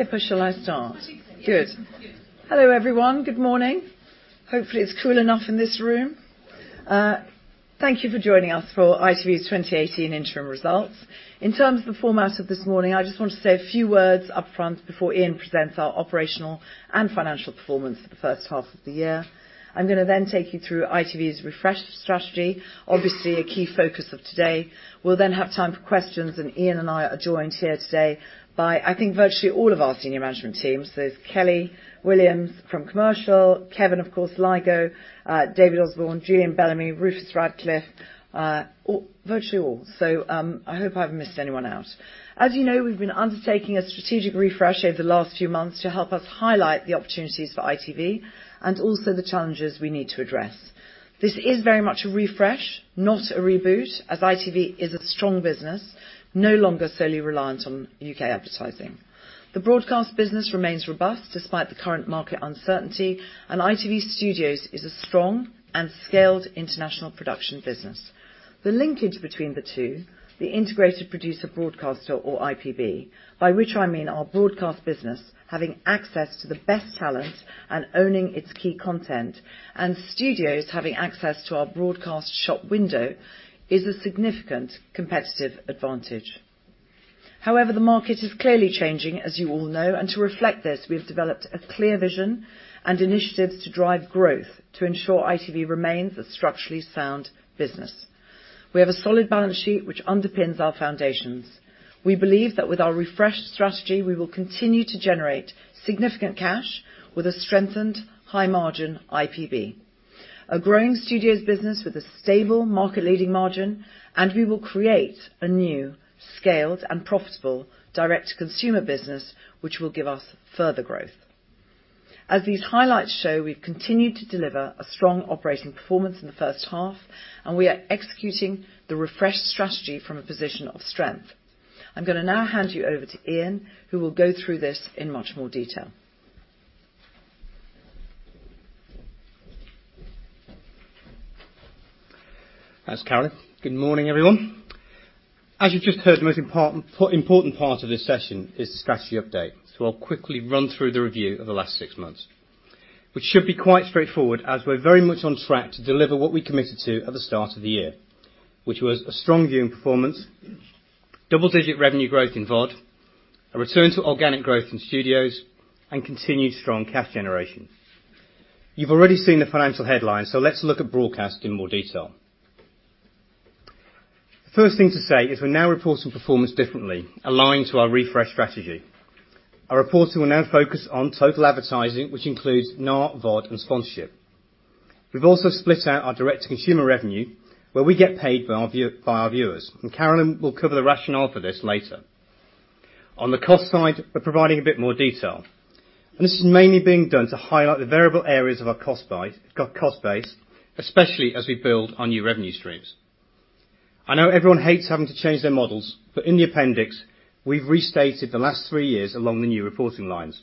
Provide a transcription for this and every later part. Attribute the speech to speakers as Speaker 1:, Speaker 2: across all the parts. Speaker 1: Pippa, shall I start?
Speaker 2: Absolutely.
Speaker 1: Good. Hello, everyone. Good morning. Hopefully it's cool enough in this room. Thank you for joining us for ITV's 2018 interim results. In terms of the format of this morning, I just want to say a few words upfront before Ian presents our operational and financial performance for the first half of the year. I'm gonna then take you through ITV's refreshed strategy, obviously a key focus of today. We'll then have time for questions. Ian and I are joined here today by, I think, virtually all of our senior management team. There's Kelly Williams from commercial, Kevin, of course, Lygo, David Osborne, Julian Bellamy, Rufus Radcliffe, virtually all. I hope I haven't missed anyone out. As you know, we've been undertaking a strategic refresh over the last few months to help us highlight the opportunities for ITV and also the challenges we need to address. This is very much a refresh, not a reboot, as ITV is a strong business, no longer solely reliant on U.K. advertising. The broadcast business remains robust despite the current market uncertainty. ITV Studios is a strong and scaled international production business. The linkage between the two, the integrated producer broadcaster, or IPB, by which I mean our broadcast business having access to the best talent and owning its key content, and studios having access to our broadcast shop window, is a significant competitive advantage. The market is clearly changing, as you all know, to reflect this, we have developed a clear vision and initiatives to drive growth to ensure ITV remains a structurally sound business. We have a solid balance sheet which underpins our foundations. We believe that with our refreshed strategy, we will continue to generate significant cash with a strengthened high margin IPB. A growing studios business with a stable market-leading margin. We will create a new scaled and profitable direct consumer business which will give us further growth. As these highlights show, we've continued to deliver a strong operating performance in the first half. We are executing the refreshed strategy from a position of strength. I'm gonna now hand you over to Ian, who will go through this in much more detail.
Speaker 3: Thanks, Carolyn. Good morning, everyone. As you've just heard, the most important part of this session is the strategy update. I'll quickly run through the review of the last 6 months, which should be quite straightforward as we're very much on track to deliver what we committed to at the start of the year, which was a strong viewing performance, double-digit revenue growth in VOD, a return to organic growth in ITV Studios, and continued strong cash generation. You've already seen the financial headlines. Let's look at broadcast in more detail. The first thing to say is we're now reporting performance differently, aligned to our refresh strategy. Our reporting will now focus on total advertising, which includes NAR, VOD, and sponsorship. We've also split out our direct consumer revenue, where we get paid by our viewers. Carolyn will cover the rationale for this later. On the cost side, we're providing a bit more detail. This is mainly being done to highlight the variable areas of our cost base, especially as we build our new revenue streams. I know everyone hates having to change their models. In the appendix, we've restated the last three years along the new reporting lines.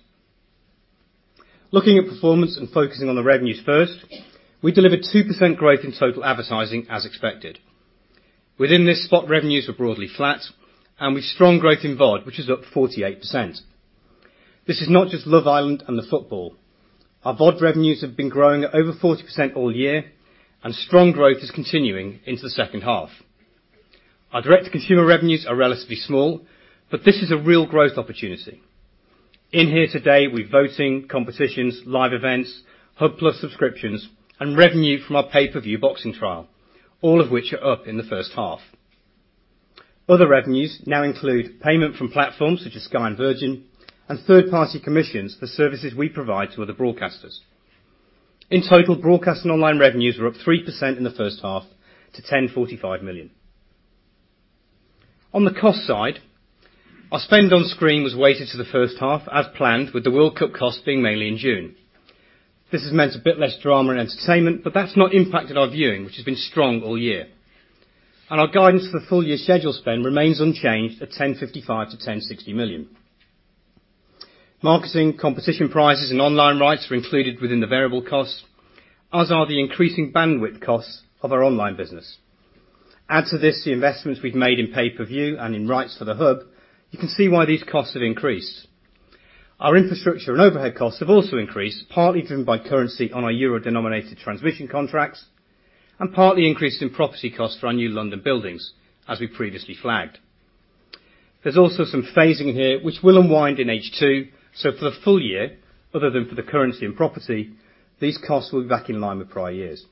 Speaker 3: Looking at performance and focusing on the revenues first, we delivered 2% growth in total advertising as expected. Within this, spot revenues were broadly flat with strong growth in VOD, which is up 48%. This is not just Love Island and the football. Our VOD revenues have been growing at over 40% all year. Strong growth is continuing into the second half. Our direct consumer revenues are relatively small. This is a real growth opportunity. In here today, we've voting, competitions, live events, Hub+ subscriptions, and revenue from our pay-per-view boxing trial, all of which are up in the first half. Other revenues now include payment from platforms such as Sky and Virgin, third-party commissions for services we provide to other broadcasters. In total, broadcast and online revenues were up 3% in the first half to 1,045 million. On the cost side, our spend on screen was weighted to the first half, as planned, with the World Cup cost being mainly in June. This has meant a bit less drama and entertainment. That's not impacted our viewing, which has been strong all year. Our guidance for the full year schedule spend remains unchanged at 1,055 million-1,060 million. Marketing, competition prizes, and online rights are included within the variable costs, as are the increasing bandwidth costs of our online business. Add to this the investments we've made in pay-per-view and in rights for the ITV Hub, you can see why these costs have increased. Our infrastructure and overhead costs have also increased, partly driven by currency on our euro-denominated transmission contracts, partly increased in property costs for our new London buildings, as we previously flagged. There's also some phasing here which will unwind in H2. For the full year, other than for the currency and property, these costs were back in line with prior years.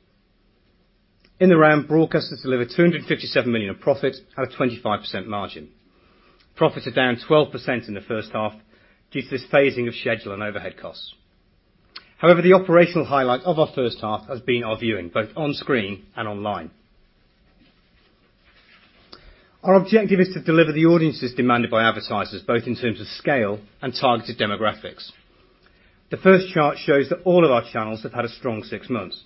Speaker 3: In the round, broadcasters delivered 257 million in profits at a 25% margin. Profits are down 12% in the first half due to this phasing of schedule and overhead costs. The operational highlight of our first half has been our viewing, both on screen and online. Our objective is to deliver the audiences demanded by advertisers, both in terms of scale and targeted demographics. The first chart shows that all of our channels have had a strong six months.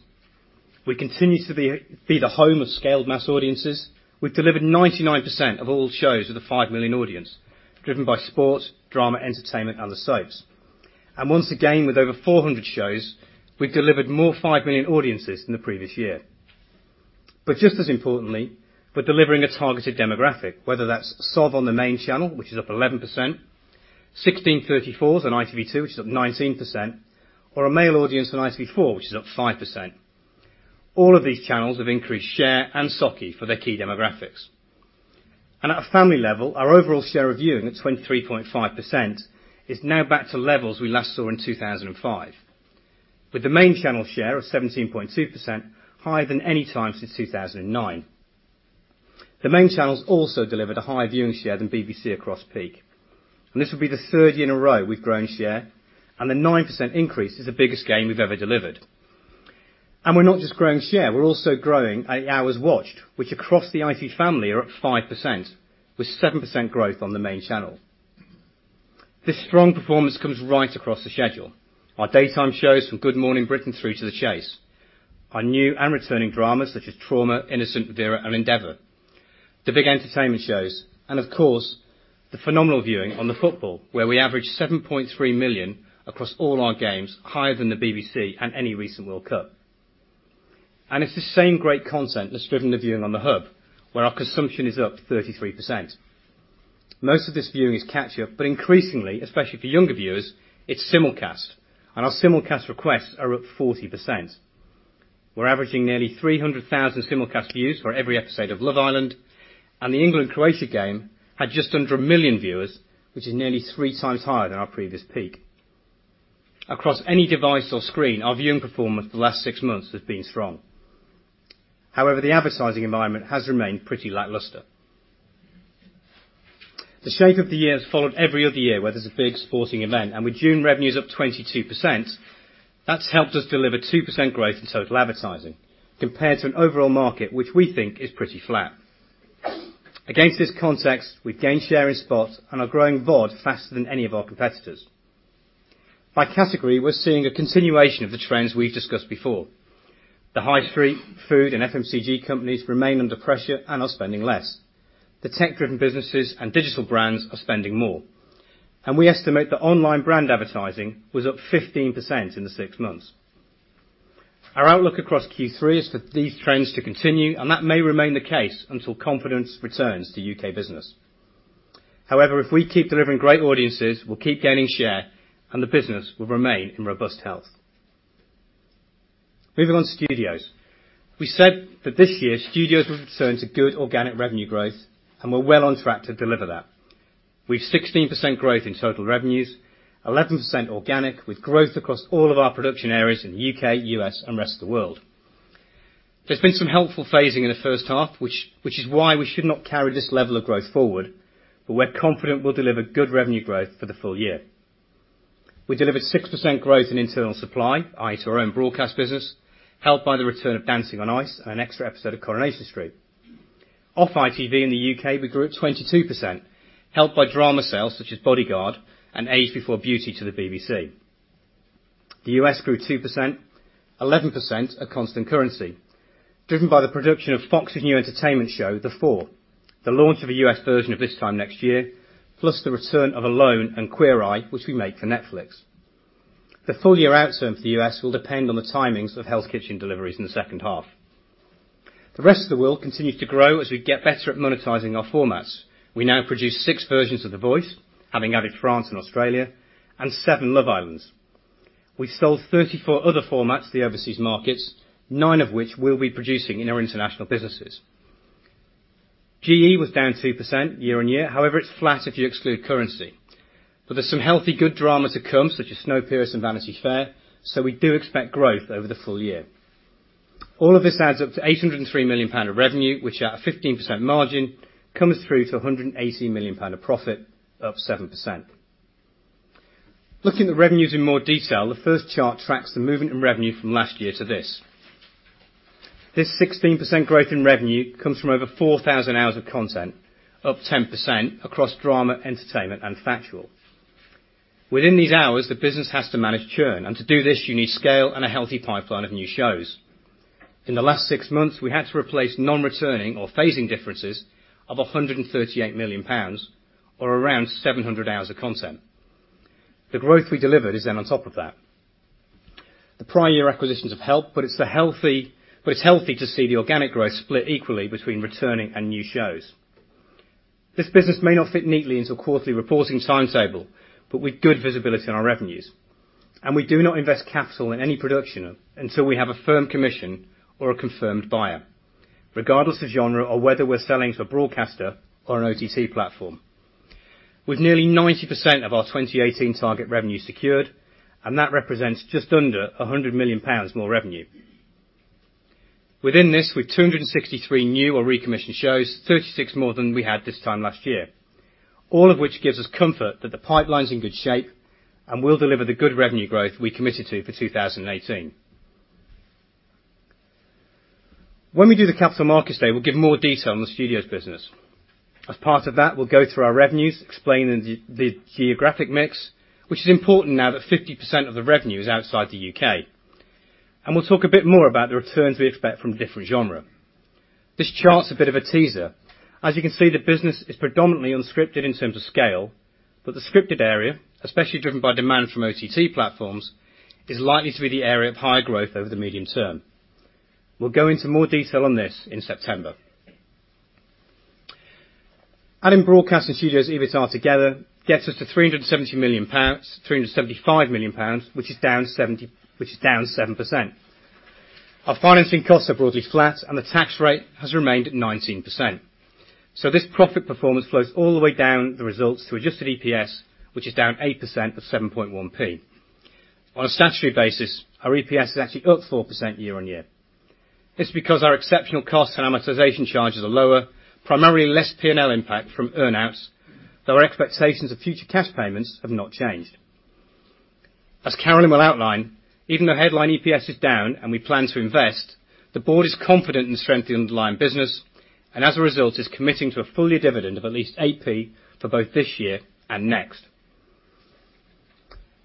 Speaker 3: We continue to be the home of scaled mass audiences. We've delivered 99% of all shows with a 5 million audience, driven by sports, drama, entertainment, and the soaps. Once again, with over 400 shows, we've delivered more 5 million audiences than the previous year. Just as importantly, we're delivering a targeted demographic, whether that's SOV on the main channel, which is up 11%, 16/34s on ITV2, which is up 19%, or a male audience on ITV4, which is up 5%. All of these channels have increased share and SOCI for their key demographics. At a family level, our overall share of viewing at 23.5% is now back to levels we last saw in 2005. With the main channel share of 17.2% higher than any time since 2009. The main channels also delivered a higher viewing share than BBC across peak, and this will be the third year in a row we've grown share, and a 9% increase is the biggest gain we've ever delivered. We're not just growing share, we're also growing hours watched, which across the ITV family are up 5%, with 7% growth on the main channel. This strong performance comes right across the schedule. Our daytime shows from Good Morning Britain through to The Chase. Our new and returning dramas such as Trauma, Innocent, Vera, and Endeavour. The big entertainment shows, and of course, the phenomenal viewing on the football, where we average 7.3 million across all our games, higher than the BBC and any recent World Cup. It's the same great content that's driven the viewing on the hub, where our consumption is up 33%. Most of this viewing is catch up, but increasingly, especially for younger viewers, it's simulcast, and our simulcast requests are up 40%. We're averaging nearly 300,000 simulcast views for every episode of Love Island, and the England, Croatia game had just under 1 million viewers, which is nearly three times higher than our previous peak. Across any device or screen, our viewing performance the last six months has been strong. The advertising environment has remained pretty lackluster. The shape of the year has followed every other year where there's a big sporting event, and with June revenues up 22%, that's helped us deliver 2% growth in total advertising, compared to an overall market which we think is pretty flat. Against this context, we've gained share in spots and are growing VOD faster than any of our competitors. By category, we're seeing a continuation of the trends we've discussed before. The high street, food, and FMCG companies remain under pressure and are spending less. The tech driven businesses and digital brands are spending more. We estimate that online brand advertising was up 15% in the six months. Our outlook across Q3 is for these trends to continue, and that may remain the case until confidence returns to U.K. business. If we keep delivering great audiences, we'll keep gaining share, and the business will remain in robust health. Moving on to studios. We said that this year, studios would return to good organic revenue growth, we're well on track to deliver that. We've 16% growth in total revenues, 11% organic, with growth across all of our production areas in the U.K., U.S., and rest of the world. There's been some helpful phasing in the first half, which is why we should not carry this level of growth forward, we're confident we'll deliver good revenue growth for the full year. We delivered 6% growth in internal supply, i.e., to our own broadcast business, helped by the return of Dancing on Ice and an extra episode of Coronation Street. ITV in the U.K., we grew 22%, helped by drama sales such as Bodyguard and Age Before Beauty to the BBC. The U.S. grew 2%, 11% at constant currency, driven by the production of Fox's new entertainment show, The Four, the launch of a U.S. version of This Time Next Year, plus the return of Alone and Queer Eye, which we make for Netflix. The full year outcome for the U.S. will depend on the timings of Hell's Kitchen deliveries in the second half. The rest of the world continues to grow as we get better at monetizing our formats. We now produce six versions of The Voice, having added France and Australia, and seven Love Islands. We sold 34 other formats to the overseas markets, nine of which we'll be producing in our international businesses. GE was down 2% year-on-year. It's flat if you exclude currency. There's some healthy, good drama to come, such as Snowpiercer and Vanity Fair, we do expect growth over the full year. All of this adds up to GBP 803 million of revenue, which at a 15% margin comes through to GBP 180 million of profit, up 7%. Looking at the revenues in more detail, the first chart tracks the movement in revenue from last year to this. This 16% growth in revenue comes from over 4,000 hours of content, up 10% across drama, entertainment, and factual. Within these hours, the business has to manage churn, to do this, you need scale and a healthy pipeline of new shows. In the last six months, we had to replace non-returning or phasing differences of 138 million pounds or around 700 hours of content. The growth we delivered is on top of that. The prior year acquisitions have helped, it's healthy to see the organic growth split equally between returning and new shows. This business may not fit neatly into a quarterly reporting timetable, we've good visibility in our revenues. We do not invest capital in any production until we have a firm commission or a confirmed buyer, regardless of genre or whether we're selling to a broadcaster or an OTT platform. With nearly 90% of our 2018 target revenue secured, that represents just under 100 million pounds more revenue. Within this, we've 263 new or recommissioned shows, 36 more than we had this time last year. All of which gives us comfort that the pipeline's in good shape and will deliver the good revenue growth we committed to for 2018. When we do the Capital Markets Day, we'll give more detail on the Studios business. As part of that, we'll go through our revenues, explain the geographic mix, which is important now that 50% of the revenue is outside the U.K. We'll talk a bit more about the returns we expect from different genre. This chart's a bit of a teaser. As you can see, the business is predominantly unscripted in terms of scale. But the scripted area, especially driven by demand from OTT platforms, is likely to be the area of higher growth over the medium term. We'll go into more detail on this in September. Adding Broadcast and Studios' EBITDA together gets us to 370 million pounds, 375 million pounds, which is down 7%. Our financing costs are broadly flat, and the tax rate has remained at 19%. This profit performance flows all the way down the results to adjusted EPS, which is down 8% of 0.071. On a statutory basis, our EPS is actually up 4% year-on-year. It's because our exceptional costs and amortization charges are lower, primarily less P&L impact from earn-outs, though our expectations of future cash payments have not changed. As Carolyn will outline, even though headline EPS is down and we plan to invest, the board is confident in the strength of the underlying business, and as a result, is committing to a full-year dividend of at least 0.08 for both this year and next.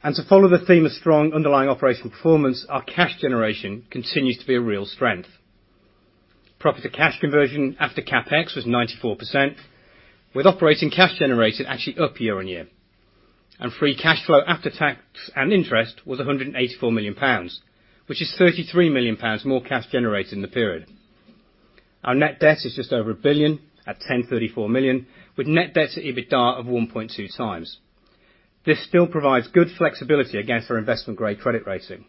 Speaker 3: To follow the theme of strong underlying operational performance, our cash generation continues to be a real strength. Profit to cash conversion after CapEx was 94%, with operating cash generated actually up year-on-year. Free cash flow after tax and interest was 184 million pounds, which is 33 million pounds more cash generated in the period. Our net debt is just over 1 billion at 1,034 million, with net debt to EBITDA of 1.2 times. This still provides good flexibility against our investment-grade credit rating.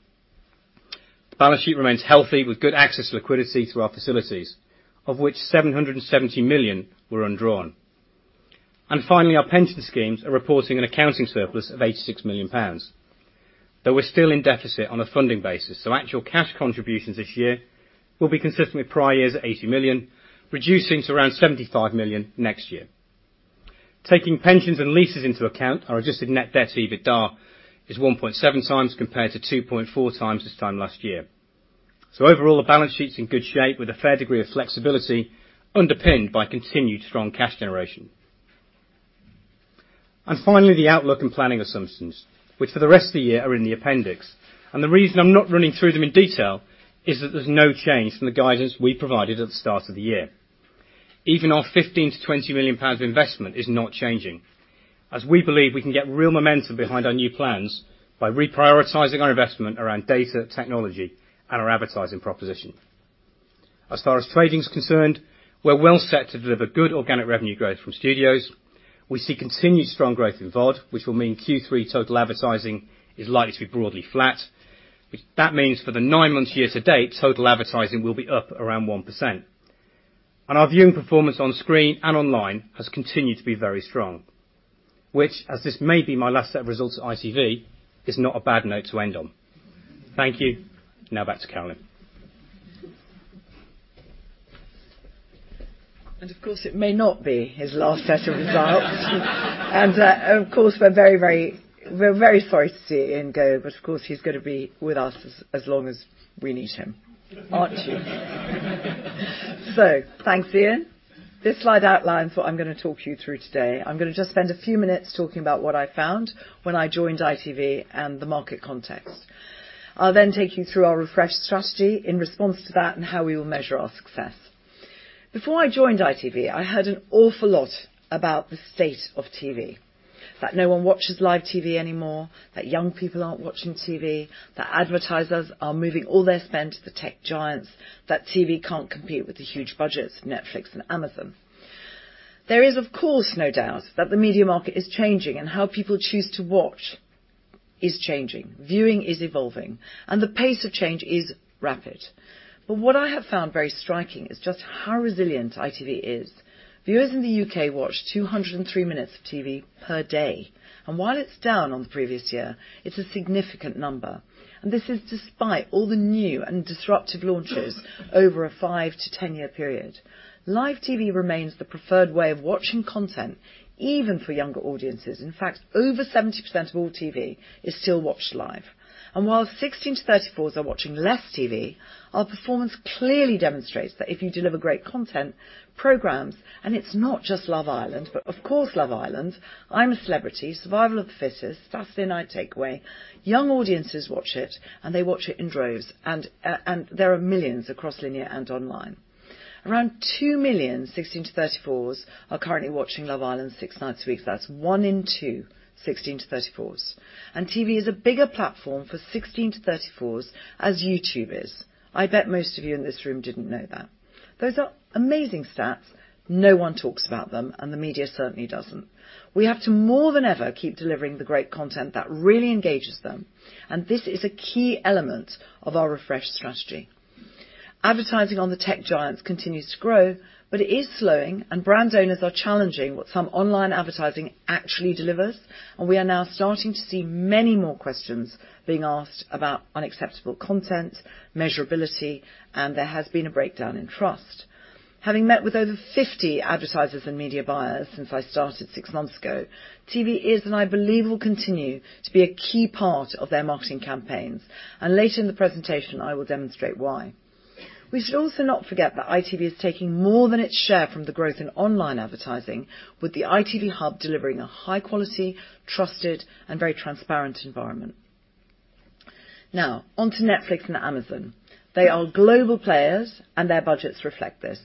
Speaker 3: The balance sheet remains healthy with good access to liquidity through our facilities, of which 770 million were undrawn. Finally, our pension schemes are reporting an accounting surplus of 86 million pounds, though we're still in deficit on a funding basis, so actual cash contributions this year will be consistent with prior years at 80 million, reducing to around 75 million next year. Taking pensions and leases into account, our adjusted net debt to EBITDA is 1.7 times compared to 2.4 times this time last year. Overall, the balance sheet's in good shape with a fair degree of flexibility, underpinned by continued strong cash generation. Finally, the outlook and planning assumptions, which for the rest of the year are in the appendix. The reason I'm not running through them in detail is that there's no change from the guidance we provided at the start of the year. Even our 15 million-20 million pounds investment is not changing, as we believe we can get real momentum behind our new plans by reprioritizing our investment around data technology and our advertising proposition. As far as trading is concerned, we're well set to deliver good organic revenue growth from Studios. We see continued strong growth in VOD, which will mean Q3 total advertising is likely to be broadly flat. That means for the nine months year-to-date, total advertising will be up around 1%. Our viewing performance on screen and online has continued to be very strong, which, as this may be my last set of results at ITV, is not a bad note to end on. Thank you. Now back to Carolyn.
Speaker 1: Of course, it may not be his last set of results. Of course, we're very sorry to see Ian go, but of course, he's going to be with us as long as we need him. Aren't you? Thanks, Ian. This slide outlines what I'm going to talk you through today. I'm going to just spend a few minutes talking about what I found when I joined ITV and the market context. I'll then take you through our refreshed strategy in response to that and how we will measure our success. Before I joined ITV, I heard an awful lot about the state of TV, that no one watches live TV anymore, that young people aren't watching TV, that advertisers are moving all their spend to the tech giants, that TV can't compete with the huge budgets of Netflix and Amazon. There is, of course, no doubt that the media market is changing, and how people choose to watch is changing. Viewing is evolving, and the pace of change is rapid. What I have found very striking is just how resilient ITV is. Viewers in the U.K. watch 203 minutes of TV per day. While it's down on the previous year, it's a significant number. This is despite all the new and disruptive launches over a five to 10-year period. Live TV remains the preferred way of watching content, even for younger audiences. In fact, over 70% of all TV is still watched live. While 16 to 34s are watching less TV, our performance clearly demonstrates that if you deliver great content, programs, and it's not just "Love Island," but of course, "Love Island," "I'm a Celebrity," "Survival of the Fittest," "Saturday Night Takeaway," young audiences watch it, and they watch it in droves. There are millions across linear and online. Around 2 million 16 to 34s are currently watching "Love Island" six nights a week. That's one in two 16 to 34s. TV is a bigger platform for 16 to 34s as YouTube is. I bet most of you in this room didn't know that. Those are amazing stats. No one talks about them, and the media certainly doesn't. We have to more than ever keep delivering the great content that really engages them, and this is a key element of our refreshed strategy. Advertising on the tech giants continues to grow, but it is slowing, and brand owners are challenging what some online advertising actually delivers, and we are now starting to see many more questions being asked about unacceptable content, measurability, and there has been a breakdown in trust. Having met with over 50 advertisers and media buyers since I started six months ago, TV is, and I believe will continue to be a key part of their marketing campaigns. Later in the presentation, I will demonstrate why. We should also not forget that ITV is taking more than its share from the growth in online advertising, with the ITV Hub delivering a high quality, trusted, and very transparent environment. On to Netflix and Amazon. They are global players, and their budgets reflect this.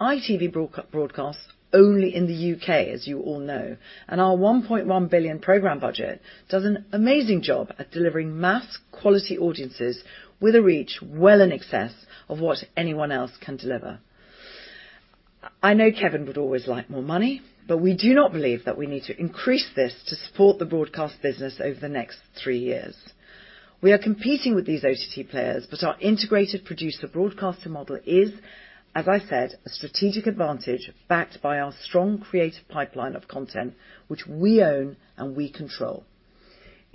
Speaker 1: ITV broadcasts only in the U.K., as you all know, and our 1.1 billion program budget does an amazing job at delivering mass quality audiences with a reach well in excess of what anyone else can deliver. I know Kevin would always like more money, but we do not believe that we need to increase this to support the broadcast business over the next three years. We are competing with these OTT players, but our integrated producer broadcaster model is, as I said, a strategic advantage backed by our strong creative pipeline of content, which we own and we control.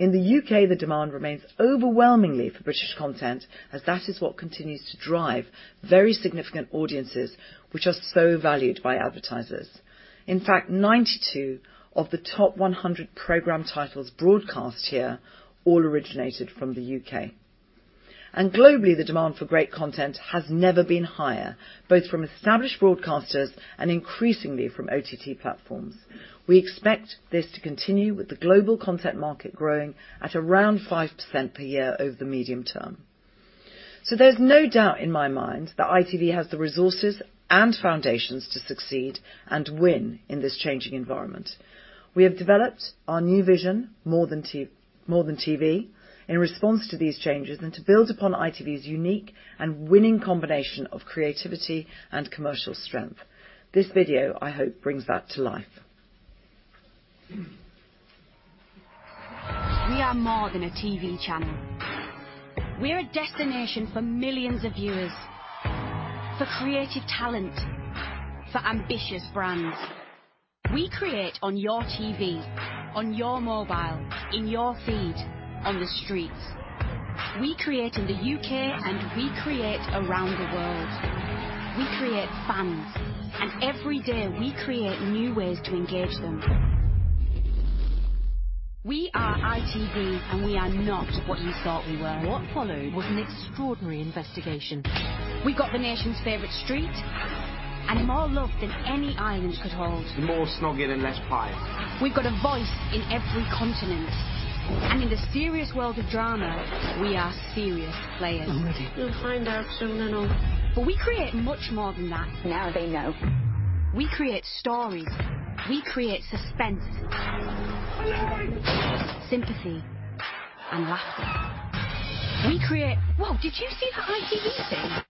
Speaker 1: In the U.K., the demand remains overwhelmingly for British content, as that is what continues to drive very significant audiences, which are so valued by advertisers. In fact, 92 of the top 100 program titles broadcast here all originated from the U.K. Globally, the demand for great content has never been higher, both from established broadcasters and increasingly from OTT platforms. We expect this to continue with the global content market growing at around 5% per year over the medium term. There's no doubt in my mind that ITV has the resources and foundations to succeed and win in this changing environment. We have developed our new vision, More Than TV, in response to these changes and to build upon ITV's unique and winning combination of creativity and commercial strength. This video, I hope, brings that to life.
Speaker 4: We are more than a TV channel. We're a destination for millions of viewers, for creative talent, for ambitious brands. We create on your TV, on your mobile, in your feed, on the streets. We create in the U.K., and we create around the world. We create fans, and every day, we create new ways to engage them. We are ITV, and we are not what you thought we were. What followed was an extraordinary investigation. We've got the nation's favorite street and more love than any island could hold. More snogging and less pies. We've got a voice in every continent. In the serious world of drama, we are serious players. I'm ready. You'll find out soon enough. We create much more than that. Now they know. We create stories. We create suspense. Sympathy and laughter. We create Whoa, did you see that ITV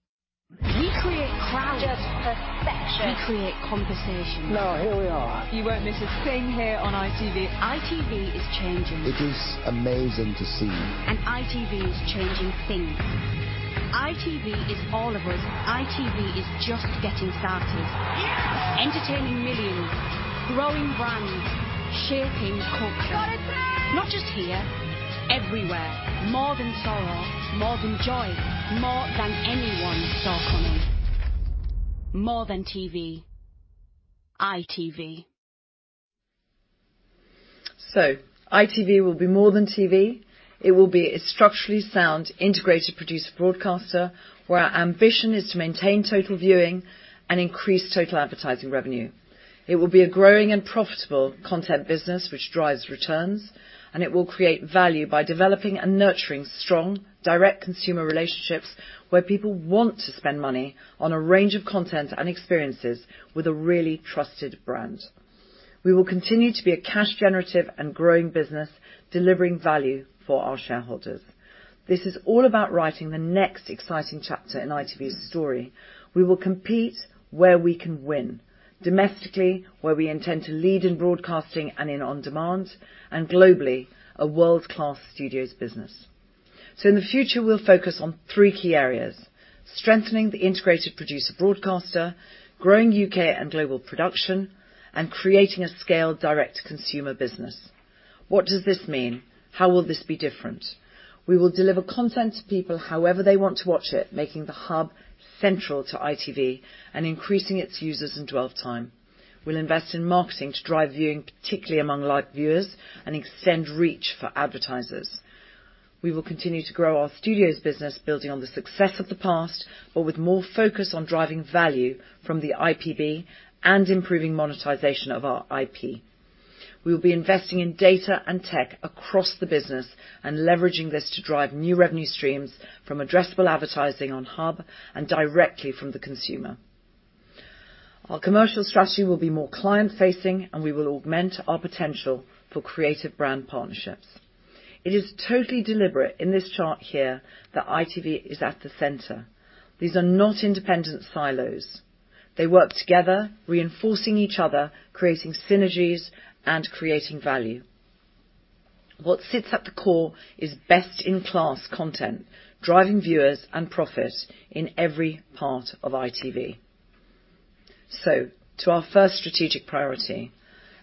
Speaker 4: thing? We create crowds. Just perfection. We create conversation. Here we are. You won't miss a thing here on ITV. ITV is changing. It is amazing to see. ITV is changing things. ITV is all of us. ITV is just getting started. Yes. Entertaining millions, growing brands, shaping culture. Got it down. Not just here, everywhere. More than sorrow, more than joy, more than anyone saw coming. More than TV, ITV.
Speaker 1: ITV will be more than TV. It will be a structurally sound integrated producer broadcaster, where our ambition is to maintain total viewing and increase total advertising revenue. It will be a growing and profitable content business, which drives returns, and it will create value by developing and nurturing strong direct consumer relationships, where people want to spend money on a range of content and experiences with a really trusted brand. We will continue to be a cash generative and growing business, delivering value for our shareholders. This is all about writing the next exciting chapter in ITV's story. We will compete where we can win. Domestically, where we intend to lead in broadcasting and in on-demand, and globally, a world-class studios business. In the future, we'll focus on three key areas, strengthening the integrated producer broadcaster, growing U.K. and global production, and creating a scaled direct consumer business. What does this mean? How will this be different? We will deliver content to people however they want to watch it, making the Hub central to ITV and increasing its users and dwell time. We'll invest in marketing to drive viewing, particularly among light viewers, and extend reach for advertisers. We will continue to grow our Studios business, building on the success of the past, but with more focus on driving value from the IPB and improving monetization of our IP. We will be investing in data and tech across the business and leveraging this to drive new revenue streams from addressable advertising on Hub and directly from the consumer. Our commercial strategy will be more client-facing. We will augment our potential for creative brand partnerships. It is totally deliberate in this chart here that ITV is at the center. These are not independent silos. They work together, reinforcing each other, creating synergies, and creating value. What sits at the core is best-in-class content, driving viewers and profit in every part of ITV. To our first strategic priority,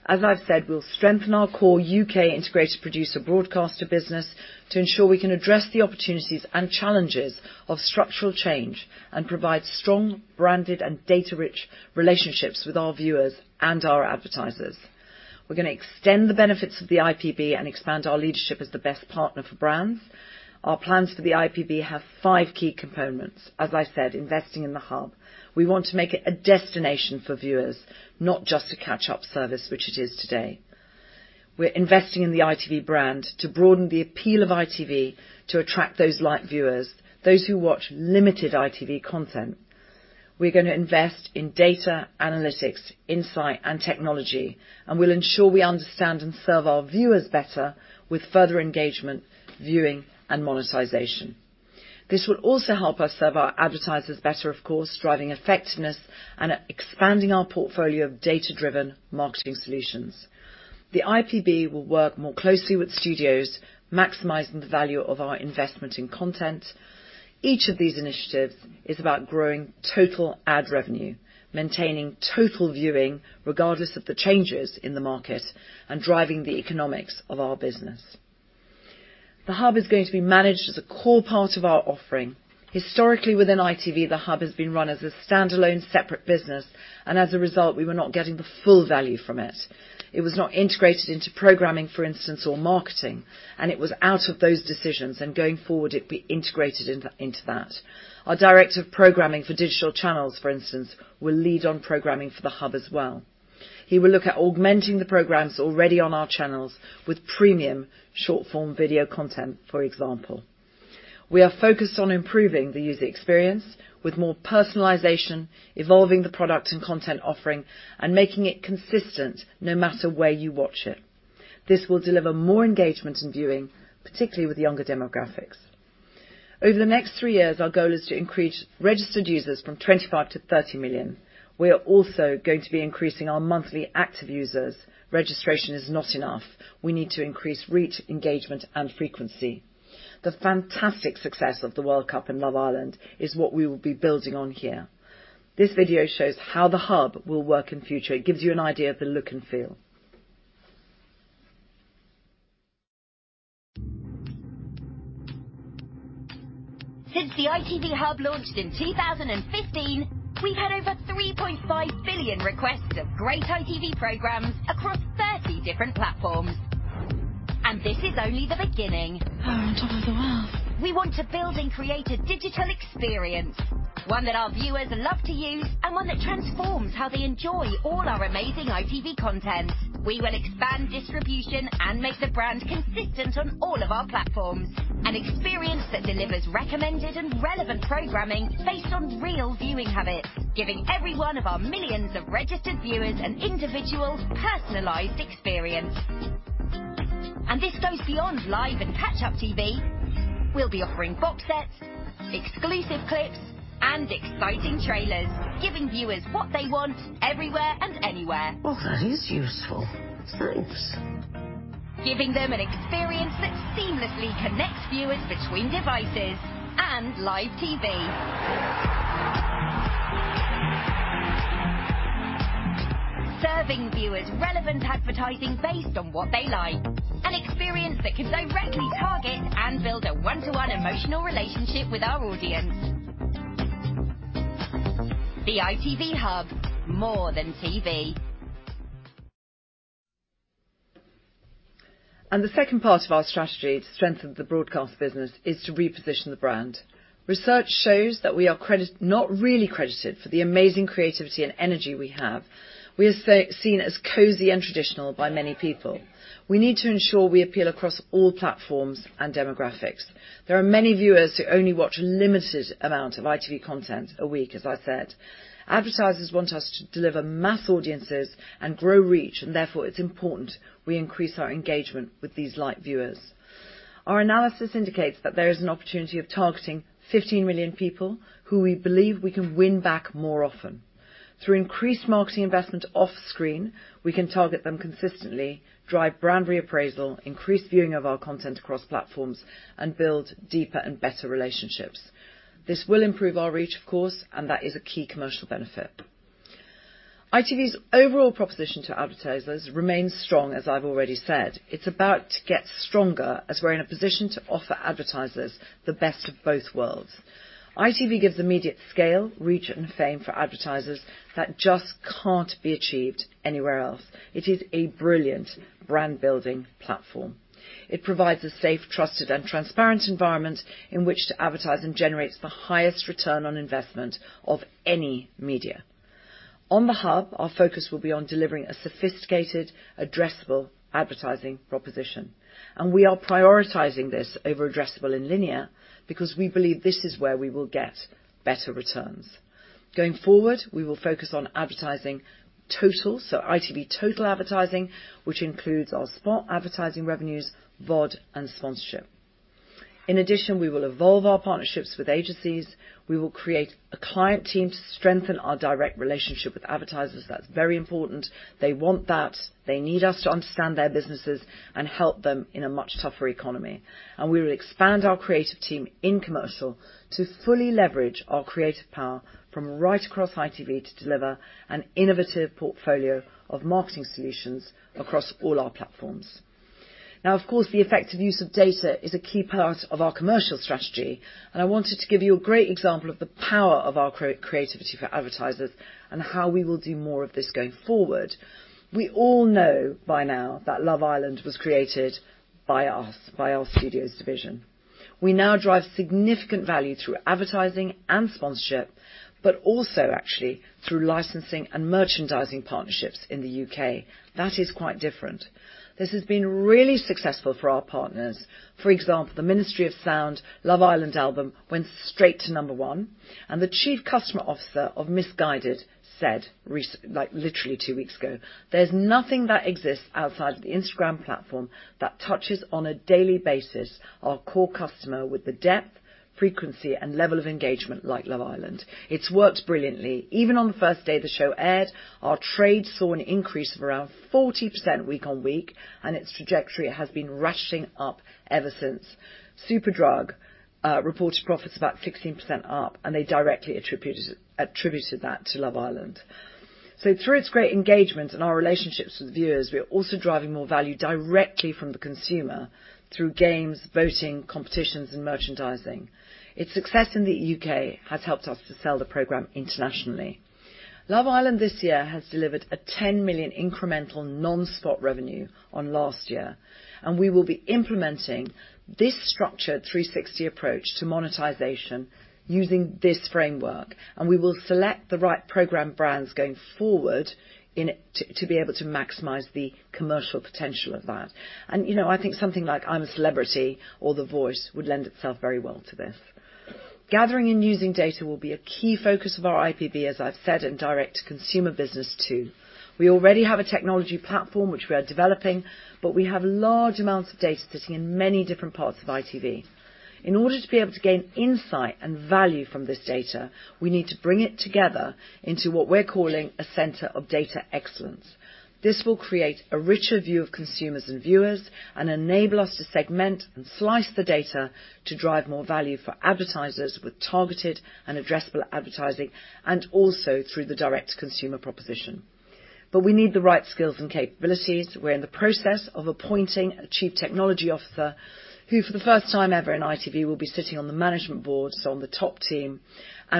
Speaker 1: as I've said, we'll strengthen our core U.K. integrated producer broadcaster business to ensure we can address the opportunities and challenges of structural change and provide strong, branded, and data-rich relationships with our viewers and our advertisers. We're going to extend the benefits of the IPB and expand our leadership as the best partner for brands. Our plans for the IPB have five key components. As I said, investing in the Hub. We want to make it a destination for viewers, not just a catch-up service, which it is today. We're investing in the ITV brand to broaden the appeal of ITV to attract those light viewers, those who watch limited ITV content. We're going to invest in data analytics, insight, and technology. We'll ensure we understand and serve our viewers better with further engagement, viewing, and monetization. This will also help us serve our advertisers better, of course, driving effectiveness and expanding our portfolio of data-driven marketing solutions. The IPB will work more closely with Studios, maximizing the value of our investment in content. Each of these initiatives is about growing total ad revenue, maintaining total viewing regardless of the changes in the market, and driving the economics of our business. The Hub is going to be managed as a core part of our offering. Historically within ITV, the Hub has been run as a standalone separate business. As a result, we were not getting the full value from it. It was not integrated into programming, for instance, or marketing, and it was out of those decisions. Going forward, it will be integrated into that. Our Director of Programming for digital channels, for instance, will lead on programming for the Hub as well. He will look at augmenting the programs already on our channels with premium short-form video content, for example. We are focused on improving the user experience with more personalization, evolving the product and content offering, and making it consistent no matter where you watch it. This will deliver more engagement in viewing, particularly with younger demographics. Over the next three years, our goal is to increase registered users from 25 million to 30 million. We are also going to be increasing our monthly active users. Registration is not enough. We need to increase reach, engagement, and frequency. The fantastic success of the World Cup and Love Island is what we will be building on here. This video shows how the ITV Hub will work in future. It gives you an idea of the look and feel.
Speaker 4: Since the ITV Hub launched in 2015, we've had over 3.5 billion requests of great ITV programs across 30 different platforms. This is only the beginning. We're on top of the world. We want to build and create a digital experience, one that our viewers love to use and one that transforms how they enjoy all our amazing ITV content. We will expand distribution and make the brand consistent on all of our platforms. An experience that delivers recommended and relevant programming based on real viewing habits, giving every one of our millions of registered viewers an individual, personalized experience. This goes beyond live and catch-up TV. We'll be offering box sets, exclusive clips, and exciting trailers, giving viewers what they want everywhere and anywhere. Well, that is useful. Thanks. Giving them an experience that seamlessly connects viewers between devices and live TV. Serving viewers relevant advertising based on what they like. An experience that can directly target and build a one-to-one emotional relationship with our audience. The ITV Hub, More Than TV.
Speaker 1: The second part of our strategy to strengthen the broadcast business is to reposition the brand. Research shows that we are not really credited for the amazing creativity and energy we have. We are seen as cozy and traditional by many people. We need to ensure we appeal across all platforms and demographics. There are many viewers who only watch a limited amount of ITV content a week, as I said. Advertisers want us to deliver mass audiences and grow reach, therefore, it's important we increase our engagement with these light viewers. Our analysis indicates that there is an opportunity of targeting 15 million people who we believe we can win back more often. Through increased marketing investment off-screen, we can target them consistently, drive brand reappraisal, increase viewing of our content across platforms, and build deeper and better relationships. This will improve our reach, of course, and that is a key commercial benefit. ITV's overall proposition to advertisers remains strong, as I've already said. It's about to get stronger as we're in a position to offer advertisers the best of both worlds. ITV gives immediate scale, reach, and fame for advertisers that just can't be achieved anywhere else. It is a brilliant brand-building platform. It provides a safe, trusted, and transparent environment in which to advertise and generates the highest return on investment of any media. On The Hub, our focus will be on delivering a sophisticated, addressable advertising proposition. We are prioritizing this over addressable and linear because we believe this is where we will get better returns. Going forward, we will focus on advertising total, so ITV total advertising, which includes our spot advertising revenues, VOD, and sponsorship. In addition, we will evolve our partnerships with agencies. We will create a client team to strengthen our direct relationship with advertisers. That's very important. They want that. They need us to understand their businesses and help them in a much tougher economy. We will expand our creative team in commercial to fully leverage our creative power from right across ITV to deliver an innovative portfolio of marketing solutions across all our platforms. Of course, the effective use of data is a key part of our commercial strategy. I wanted to give you a great example of the power of our creativity for advertisers and how we will do more of this going forward. We all know by now that "Love Island" was created by us, by our ITV Studios division. We now drive significant value through advertising and sponsorship, also actually through licensing and merchandising partnerships in the U.K. That is quite different. This has been really successful for our partners. For example, the Ministry of Sound "Love Island" album went straight to number one, and the Chief Customer Officer of Missguided said, literally 2 weeks ago, "There's nothing that exists outside of the Instagram platform that touches on a daily basis our core customer with the depth, frequency, and level of engagement like 'Love Island.'" It's worked brilliantly. Even on the first day the show aired, our trade saw an increase of around 40% week-on-week. Its trajectory has been rushing up ever since. Superdrug reported profits about 16% up. They directly attributed that to "Love Island." Through its great engagement and our relationships with viewers, we are also driving more value directly from the consumer through games, voting, competitions, and merchandising. Its success in the U.K. has helped us to sell the program internationally. "Love Island" this year has delivered a 10 million incremental non-spot revenue on last year. We will be implementing this structured 360 approach to monetization using this framework. We will select the right program brands going forward to be able to maximize the commercial potential of that. I think something like "I'm a Celebrity" or "The Voice" would lend itself very well to this. Gathering and using data will be a key focus of our IPB, as I've said, and direct consumer business too. We already have a technology platform which we are developing. We have large amounts of data sitting in many different parts of ITV. In order to be able to gain insight and value from this data, we need to bring it together into what we're calling a center of data excellence. This will create a richer view of consumers and viewers and enable us to segment and slice the data to drive more value for advertisers with targeted and addressable advertising, also through the direct consumer proposition. We need the right skills and capabilities. We're in the process of appointing a Chief Technology Officer, who for the first time ever in ITV, will be sitting on the management board, so on the top team.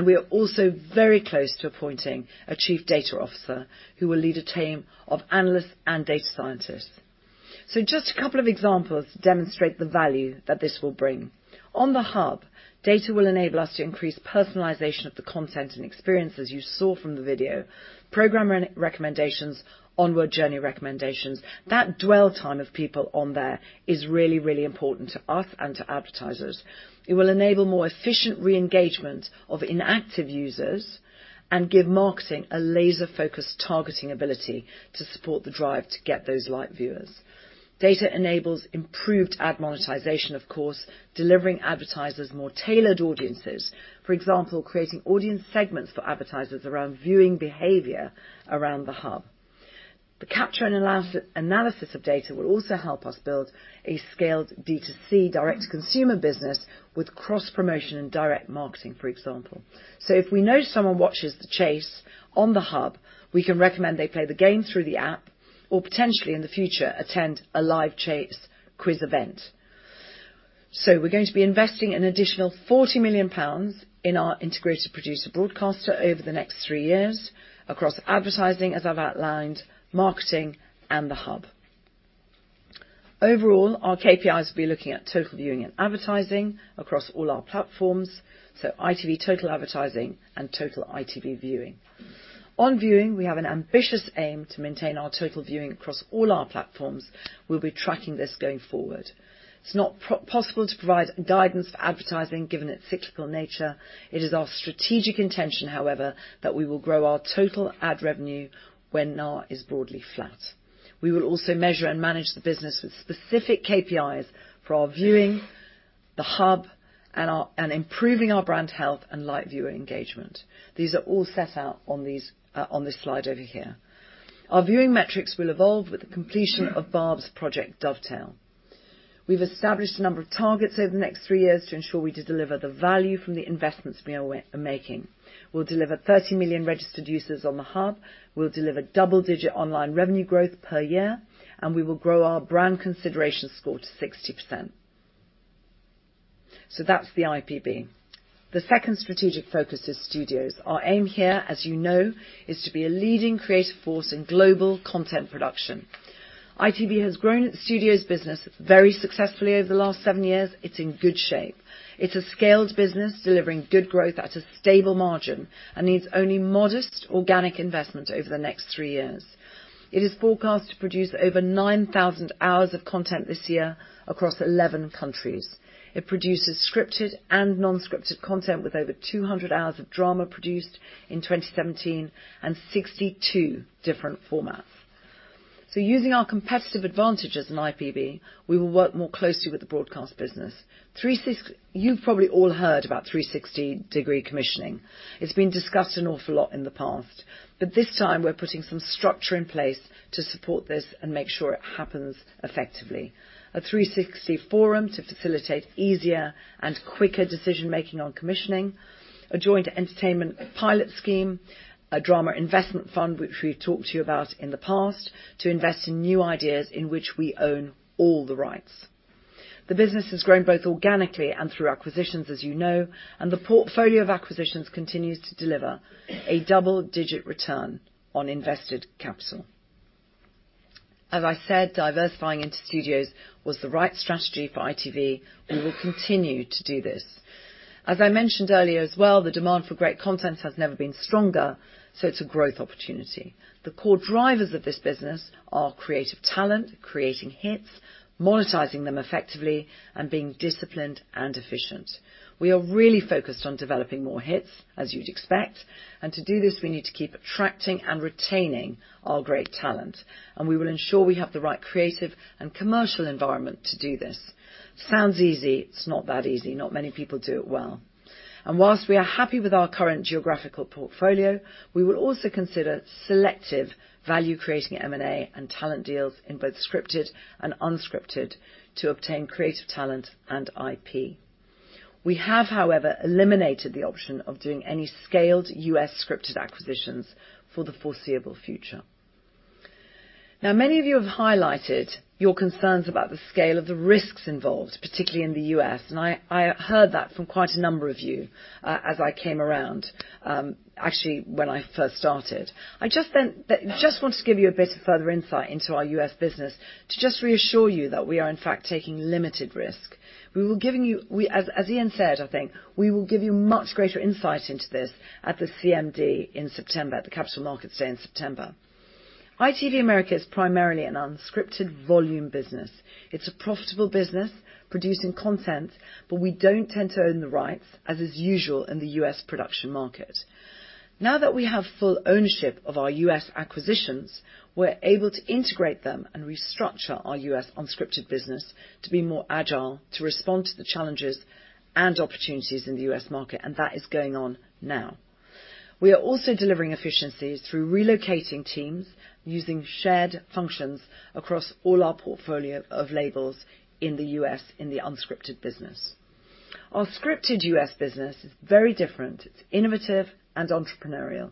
Speaker 1: We are also very close to appointing a Chief Data Officer who will lead a team of analysts and data scientists. Just a couple of examples to demonstrate the value that this will bring. On the Hub, data will enable us to increase personalization of the content and experiences you saw from the video, program recommendations, onward journey recommendations. That dwell time of people on there is really important to us and to advertisers. It will enable more efficient re-engagement of inactive users and give marketing a laser-focused targeting ability to support the drive to get those light viewers. Data enables improved ad monetization, of course, delivering advertisers more tailored audiences. For example, creating audience segments for advertisers around viewing behavior around the Hub. The capture and analysis of data will also help us build a scaled D2C direct consumer business with cross-promotion and direct marketing, for example. If we know someone watches "The Chase" on the Hub, we can recommend they play the game through the app, or potentially in the future, attend a live Chase quiz event. We're going to be investing an additional 40 million pounds in our integrated producer broadcaster over the next three years across advertising, as I've outlined, marketing, and the Hub. Overall, our KPIs will be looking at total viewing and advertising across all our platforms, so ITV total advertising and total ITV viewing. On viewing, we have an ambitious aim to maintain our total viewing across all our platforms. We'll be tracking this going forward. It's not possible to provide guidance for advertising, given its cyclical nature. It is our strategic intention, however, that we will grow our total ad revenue when NAR is broadly flat. We will also measure and manage the business with specific KPIs for our viewing, the Hub, and improving our brand health and light viewer engagement. These are all set out on this slide over here. Our viewing metrics will evolve with the completion of BARB's Project Dovetail. We've established a number of targets over the next three years to ensure we deliver the value from the investments we are making. We'll deliver 30 million registered users on the Hub, we'll deliver double-digit online revenue growth per year, and we will grow our brand consideration score to 60%. That's the IPB. The second strategic focus is studios. Our aim here, as you know, is to be a leading creative force in global content production. ITV has grown its studios business very successfully over the last seven years. It's in good shape. It's a scaled business, delivering good growth at a stable margin and needs only modest organic investment over the next three years. It is forecast to produce over 9,000 hours of content this year across 11 countries. It produces scripted and non-scripted content with over 200 hours of drama produced in 2017 and 62 different formats. Using our competitive advantage as an IPB, we will work more closely with the broadcast business. You've probably all heard about 360-degree commissioning. It's been discussed an awful lot in the past. This time, we're putting some structure in place to support this and make sure it happens effectively. A 360 forum to facilitate easier and quicker decision-making on commissioning, a joint entertainment pilot scheme, a drama investment fund, which we've talked to you about in the past, to invest in new ideas in which we own all the rights. The business has grown both organically and through acquisitions, as you know, and the portfolio of acquisitions continues to deliver a double-digit ROIC. As I said, diversifying into studios was the right strategy for ITV. We will continue to do this. As I mentioned earlier as well, the demand for great content has never been stronger, so it is a growth opportunity. The core drivers of this business are creative talent, creating hits, monetizing them effectively, and being disciplined and efficient. We are really focused on developing more hits, as you would expect. To do this, we need to keep attracting and retaining our great talent. We will ensure we have the right creative and commercial environment to do this. Sounds easy. It is not that easy. Not many people do it well. Whilst we are happy with our current geographical portfolio, we will also consider selective value-creating M&A and talent deals in both scripted and unscripted to obtain creative talent and IP. We have, however, eliminated the option of doing any scaled U.S. scripted acquisitions for the foreseeable future. Many of you have highlighted your concerns about the scale of the risks involved, particularly in the U.S., and I heard that from quite a number of you as I came around, actually, when I first started. I just want to give you a bit of further insight into our U.S. business to just reassure you that we are in fact taking limited risk. As Ian said, I think, we will give you much greater insight into this at the CMD in September, at the Capital Markets Day in September. ITV America is primarily an unscripted volume business. It is a profitable business producing content, but we do not tend to own the rights, as is usual in the U.S. production market. Now that we have full ownership of our U.S. acquisitions, we are able to integrate them and restructure our U.S. unscripted business to be more agile, to respond to the challenges and opportunities in the U.S. market. That is going on now. We are also delivering efficiencies through relocating teams, using shared functions across all our portfolio of labels in the U.S. in the unscripted business. Our scripted U.S. business is very different. It is innovative and entrepreneurial.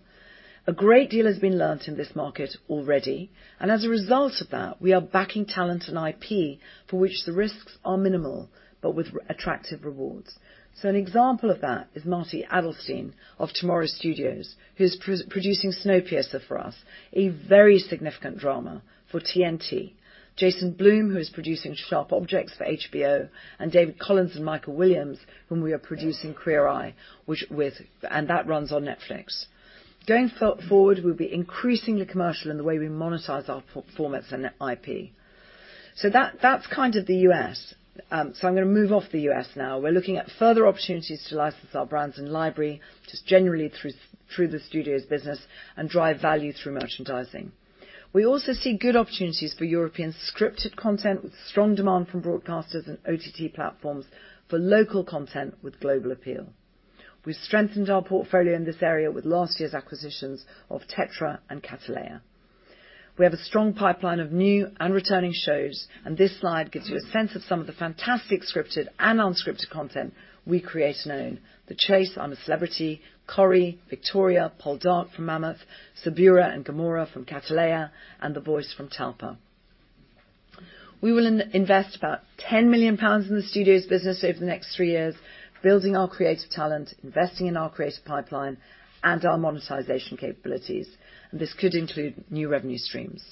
Speaker 1: A great deal has been learned in this market already. As a result of that, we are backing talent and IP for which the risks are minimal but with attractive rewards. An example of that is Marty Adelstein of Tomorrow Studios, who is producing "Snowpiercer" for us, a very significant drama for TNT. Jason Blum, who is producing "Sharp Objects" for HBO, and David Collins and Michael Williams, whom we are producing "Queer Eye," and that runs on Netflix. Going forward, we will be increasingly commercial in the way we monetize our formats and IP. That is kind of the U.S. I am going to move off the U.S. now. We are looking at further opportunities to license our brands and library just generally through the studios business and drive value through merchandising. We also see good opportunities for European scripted content with strong demand from broadcasters and OTT platforms for local content with global appeal. We have strengthened our portfolio in this area with last year's acquisitions of Tetra and Cattleya. We have a strong pipeline of new and returning shows. This slide gives you a sense of some of the fantastic scripted and unscripted content we create and own. "The Chase," "I'm a Celebrity," "Corrie," "Victoria," "Poldark" from Mammoth, "Suburra" and "Gomorrah" from Cattleya, and "The Voice" from Talpa. We will invest about 10 million pounds in the studios business over the next three years, building our creative talent, investing in our creative pipeline, and our monetization capabilities. This could include new revenue streams.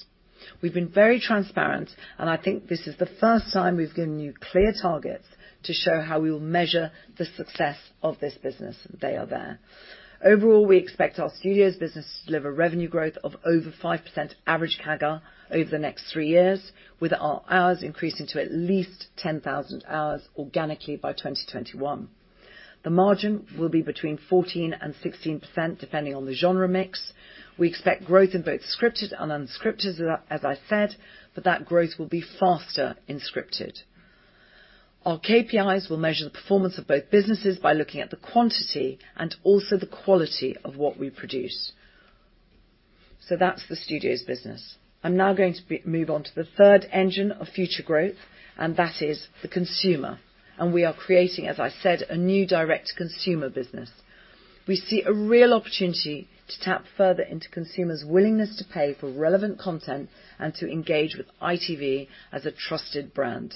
Speaker 1: We've been very transparent, and I think this is the first time we've given you clear targets to show how we will measure the success of this business. They are there. Overall, we expect our studios business to deliver revenue growth of over 5% average CAGR over the next three years, with our hours increasing to at least 10,000 hours organically by 2021. The margin will be between 14% and 16%, depending on the genre mix. We expect growth in both scripted and unscripted, as I said, but that growth will be faster in scripted. Our KPIs will measure the performance of both businesses by looking at the quantity and also the quality of what we produce. That's the studios business. I'm now going to move on to the third engine of future growth. That is the consumer. We are creating, as I said, a new direct consumer business. We see a real opportunity to tap further into consumers' willingness to pay for relevant content and to engage with ITV as a trusted brand.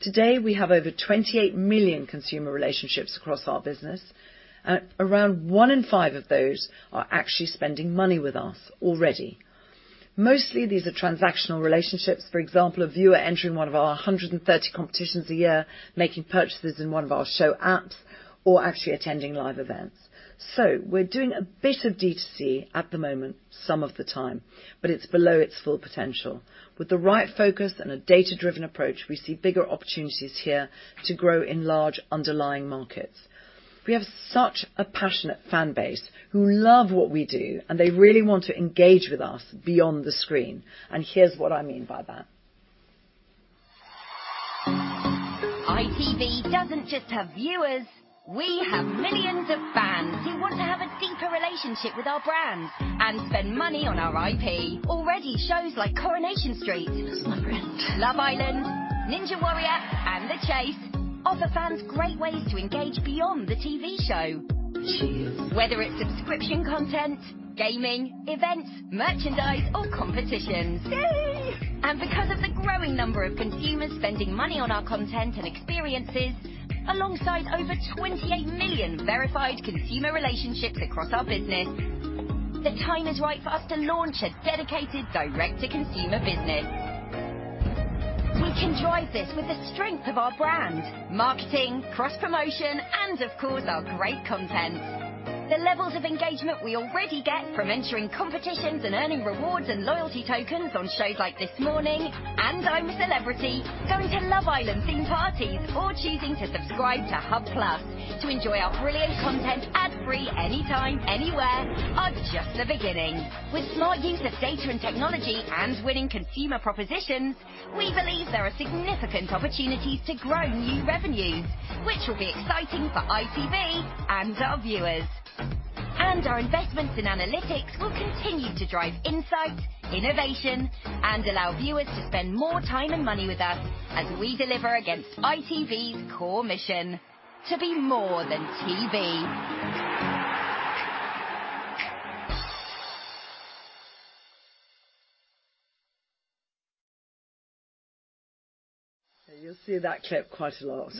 Speaker 1: Today, we have over 28 million consumer relationships across our business. Around one in five of those are actually spending money with us already. Mostly, these are transactional relationships. For example, a viewer entering one of our 130 competitions a year, making purchases in one of our show apps, or actually attending live events. We're doing a bit of D2C at the moment, some of the time, but it's below its full potential. With the right focus and a data-driven approach, we see bigger opportunities here to grow in large underlying markets. We have such a passionate fan base who love what we do, and they really want to engage with us beyond the screen. Here's what I mean by that.
Speaker 4: ITV doesn't just have viewers, we have millions of fans who want to have a deeper relationship with our brand and spend money on our IP. Already, shows like "Coronation Street". It's my rent. Love Island, Ninja Warrior, and The Chase offer fans great ways to engage beyond the TV show. Cheers. Whether it's subscription content, gaming, events, merchandise, or competitions. Yay! Growing number of consumers spending money on our content and experiences, alongside over 28 million verified consumer relationships across our business. The time is right for us to launch a dedicated direct-to-consumer business. We can drive this with the strength of our brand, marketing, cross-promotion, and of course, our great content. The levels of engagement we already get from entering competitions and earning rewards and loyalty tokens on shows like This Morning, and I'm a Celebrity... Get Me Out of Here!, going to Love Island theme parties, or choosing to subscribe to Hub+ to enjoy our brilliant content ad-free anytime, anywhere, are just the beginning. With smart use of data and technology and winning consumer propositions, we believe there are significant opportunities to grow new revenues, which will be exciting for ITV and our viewers. Our investments in analytics will continue to drive insight, innovation, and allow viewers to spend more time and money with us as we deliver against ITV's core mission, to be More Than TV.
Speaker 1: You'll see that clip quite a lot.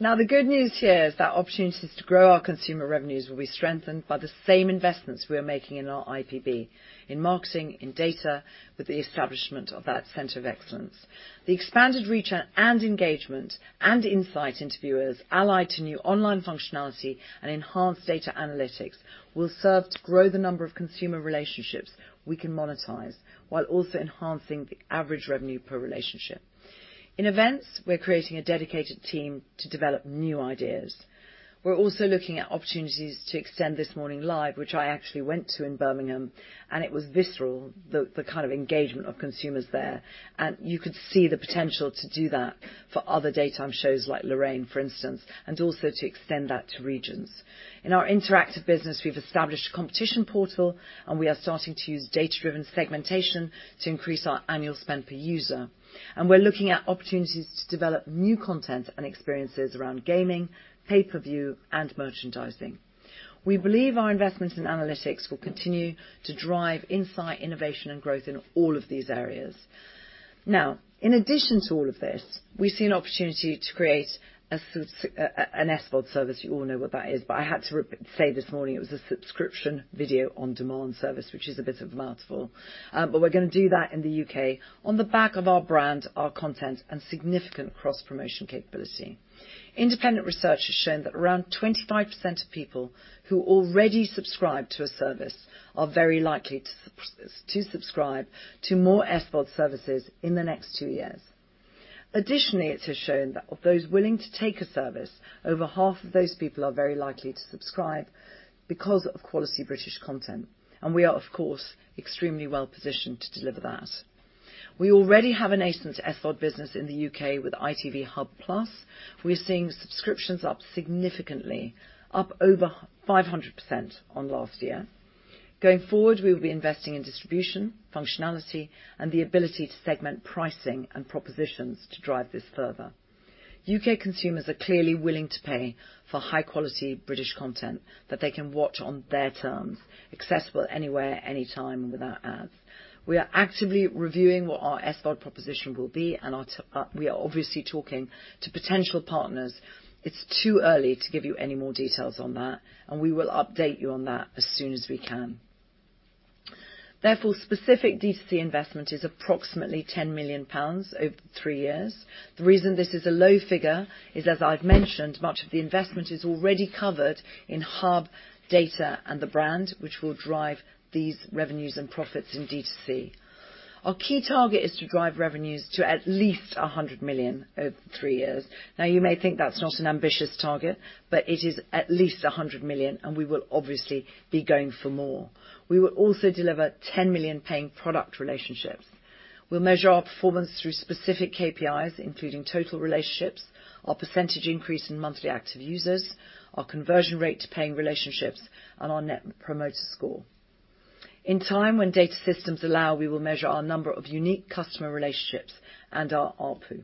Speaker 1: The good news here is that opportunities to grow our consumer revenues will be strengthened by the same investments we are making in our ITV, in marketing, in data, with the establishment of that center of excellence. The expanded reach and engagement and insight into viewers, allied to new online functionality and enhanced data analytics, will serve to grow the number of consumer relationships we can monetize while also enhancing the average revenue per relationship. In events, we're creating a dedicated team to develop new ideas. We're also looking at opportunities to extend This Morning live, which I actually went to in Birmingham, and it was visceral, the kind of engagement of consumers there. You could see the potential to do that for other daytime shows like Lorraine, for instance, and also to extend that to regions. In our interactive business, we've established a competition portal, and we are starting to use data-driven segmentation to increase our annual spend per user. We're looking at opportunities to develop new content and experiences around gaming, pay-per-view, and merchandising. We believe our investments in analytics will continue to drive insight, innovation, and growth in all of these areas. In addition to all of this, we see an opportunity to create an SVOD service. You all know what that is, but I had to say this morning it was a subscription video on-demand service, which is a bit of a mouthful. We're going to do that in the U.K. on the back of our brand, our content, and significant cross-promotion capability. Independent research has shown that around 25% of people who already subscribe to a service are very likely to subscribe to more SVOD services in the next two years. Additionally, it has shown that of those willing to take a service, over half of those people are very likely to subscribe because of quality British content, and we are, of course, extremely well-positioned to deliver that. We already have a nascent SVOD business in the U.K. with ITV Hub Plus. We're seeing subscriptions up significantly, up over 500% on last year. Going forward, we will be investing in distribution, functionality, and the ability to segment pricing and propositions to drive this further. U.K. consumers are clearly willing to pay for high-quality British content that they can watch on their terms, accessible anywhere, anytime, and without ads. We are actively reviewing what our SVOD proposition will be. We are obviously talking to potential partners. It's too early to give you any more details on that. We will update you on that as soon as we can. Therefore, specific D2C investment is approximately 10 million pounds over three years. The reason this is a low figure is, as I've mentioned, much of the investment is already covered in Hub data and the brand, which will drive these revenues and profits in D2C. Our key target is to drive revenues to at least 100 million over three years. You may think that's not an ambitious target, but it is at least 100 million. We will obviously be going for more. We will also deliver 10 million paying product relationships. We'll measure our performance through specific KPIs, including total relationships, our percentage increase in monthly active users, our conversion rate to paying relationships, and our net promoter score. In time, when data systems allow, we will measure our number of unique customer relationships and our ARPU.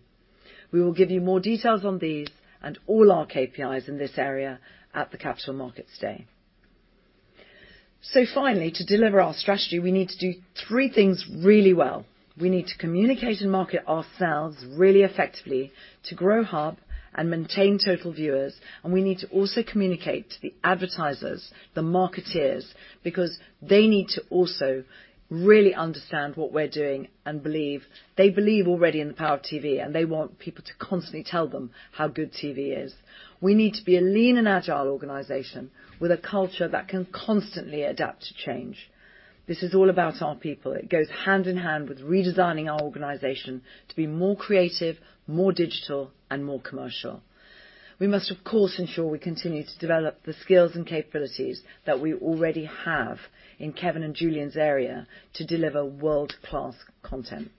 Speaker 1: We will give you more details on these and all our KPIs in this area at the Capital Markets Day. Finally, to deliver our strategy, we need to do three things really well. We need to communicate and market ourselves really effectively to grow Hub and maintain total viewers. We need to also communicate to the advertisers, the marketeers, because they need to also really understand what we're doing and believe. They believe already in the power of TV. They want people to constantly tell them how good TV is. We need to be a lean and agile organization with a culture that can constantly adapt to change. This is all about our people. It goes hand in hand with redesigning our organization to be more creative, more digital, and more commercial. We must, of course, ensure we continue to develop the skills and capabilities that we already have in Kevin and Julian's area to deliver world-class content.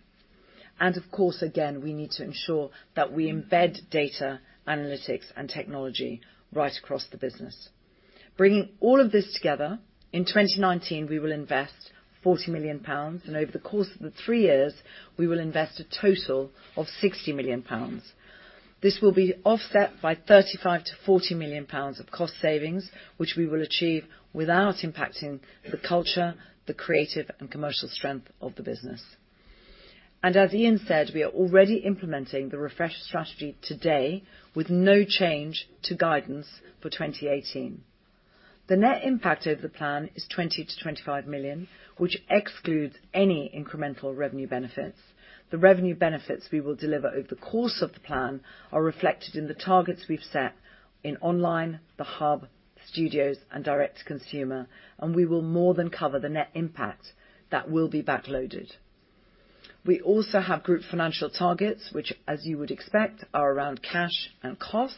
Speaker 1: Of course, again, we need to ensure that we embed data analytics and technology right across the business. Bringing all of this together, in 2019, we will invest GBP 40 million. Over the course of the three years, we will invest a total of 60 million pounds. This will be offset by 35 million-40 million pounds of cost savings, which we will achieve without impacting the culture, the creative, and commercial strength of the business. As Ian said, we are already implementing the refreshed strategy today with no change to guidance for 2018. The net impact over the plan is 20 million-25 million, which excludes any incremental revenue benefits. The revenue benefits we will deliver over the course of the plan are reflected in the targets we've set in online, the Hub, Studios, and direct to consumer. We will more than cover the net impact that will be back-loaded. We also have group financial targets, which, as you would expect, are around cash and cost.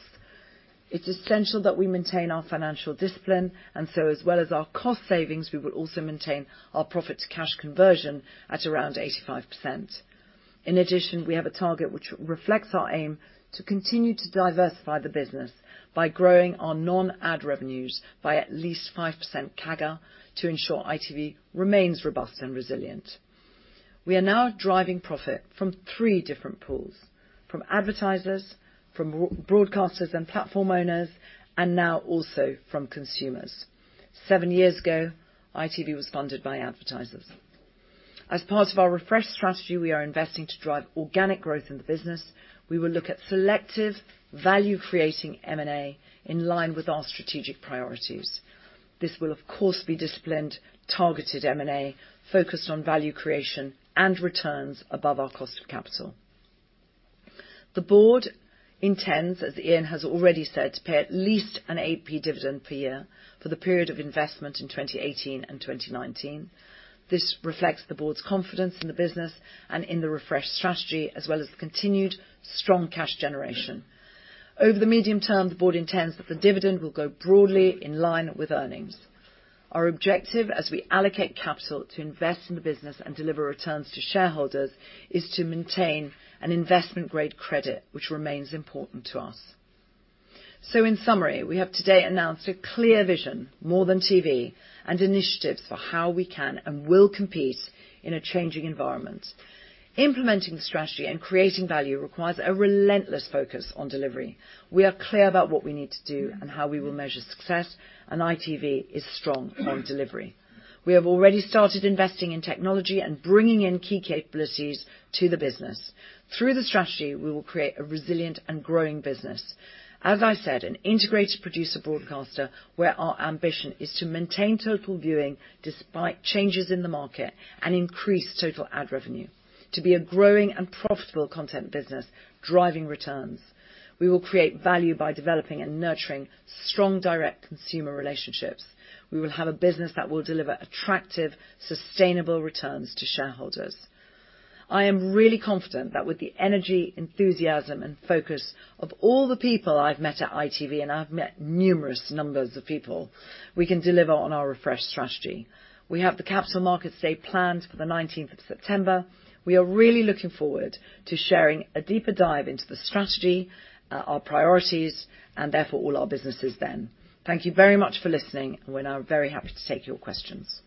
Speaker 1: It's essential that we maintain our financial discipline. As well as our cost savings, we will also maintain our profit-to-cash conversion at around 85%. In addition, we have a target which reflects our aim to continue to diversify the business by growing our non-ad revenues by at least 5% CAGR to ensure ITV remains robust and resilient. We are now driving profit from three different pools: from advertisers, from broadcasters and platform owners, and now also from consumers. Seven years ago, ITV was funded by advertisers. As part of our refreshed strategy, we are investing to drive organic growth in the business. We will look at selective value-creating M&A in line with our strategic priorities. This will, of course, be disciplined, targeted M&A focused on value creation and returns above our cost of capital. The board intends, as Ian has already said, to pay at least an GBP 0.08 dividend per year for the period of investment in 2018 and 2019. This reflects the board's confidence in the business and in the refreshed strategy, as well as the continued strong cash generation. Over the medium term, the board intends that the dividend will go broadly in line with earnings. Our objective, as we allocate capital to invest in the business and deliver returns to shareholders, is to maintain an investment-grade credit, which remains important to us. In summary, we have today announced a clear vision, More Than TV, and initiatives for how we can and will compete in a changing environment. Implementing the strategy and creating value requires a relentless focus on delivery. We are clear about what we need to do and how we will measure success, and ITV is strong on delivery. We have already started investing in technology and bringing in key capabilities to the business. Through the strategy, we will create a resilient and growing business. As I said, an integrated producer broadcaster, where our ambition is to maintain total viewing despite changes in the market and increase total ad revenue to be a growing and profitable content business driving returns. We will create value by developing and nurturing strong direct consumer relationships. We will have a business that will deliver attractive, sustainable returns to shareholders. I am really confident that with the energy, enthusiasm, and focus of all the people I've met at ITV, and I've met numerous numbers of people, we can deliver on our refreshed strategy. We have the Capital Markets Day planned for the 19th of September. We are really looking forward to sharing a deeper dive into the strategy, our priorities, and therefore all our businesses then. Thank you very much for listening, and we're now very happy to take your questions.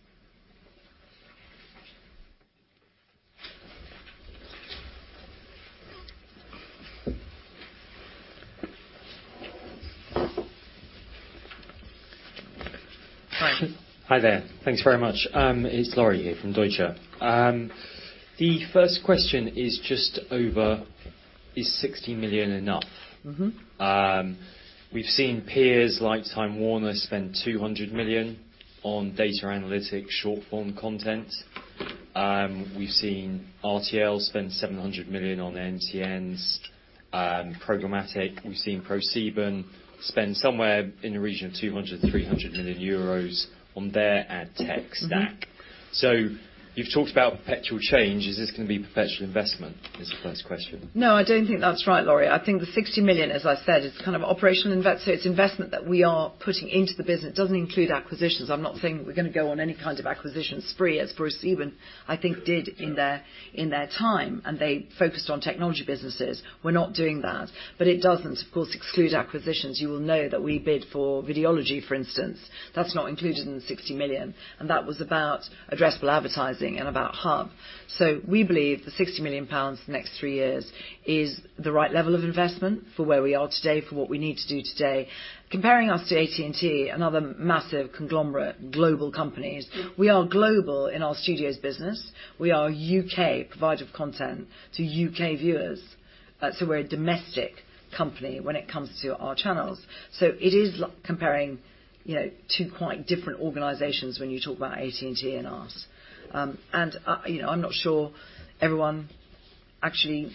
Speaker 5: Hi there. Thanks very much. It's Laurie here from Deutsche. The first question is just over, is 60 million enough? We've seen peers like Time Warner spend 200 million on data analytics, short-form content. We've seen RTL spend 700 million on NCN's programmatic. We've seen ProSieben spend somewhere in the region of 200 million-300 million euros on their ad tech stack. You've talked about perpetual change. Is this going to be perpetual investment? Is the first question.
Speaker 1: No, I don't think that's right, Laurie. I think the 60 million, as I said, it's kind of operational investment. It's investment that we are putting into the business. It doesn't include acquisitions. I'm not saying that we're going to go on any kind of acquisition spree as ProSieben, I think did in their time, and they focused on technology businesses. We're not doing that. But it doesn't, of course, exclude acquisitions. You will know that we bid for Videology, for instance. That's not included in the 60 million, and that was about addressable advertising and about Hub. We believe the 60 million pounds for the next three years is the right level of investment for where we are today, for what we need to do today. Comparing us to AT&T, another massive conglomerate global companies, we are global in our studios business. We are a U.K. provider of content to U.K. viewers. We're a domestic company when it comes to our channels. It is comparing two quite different organizations when you talk about AT&T and us. I'm not sure everyone actually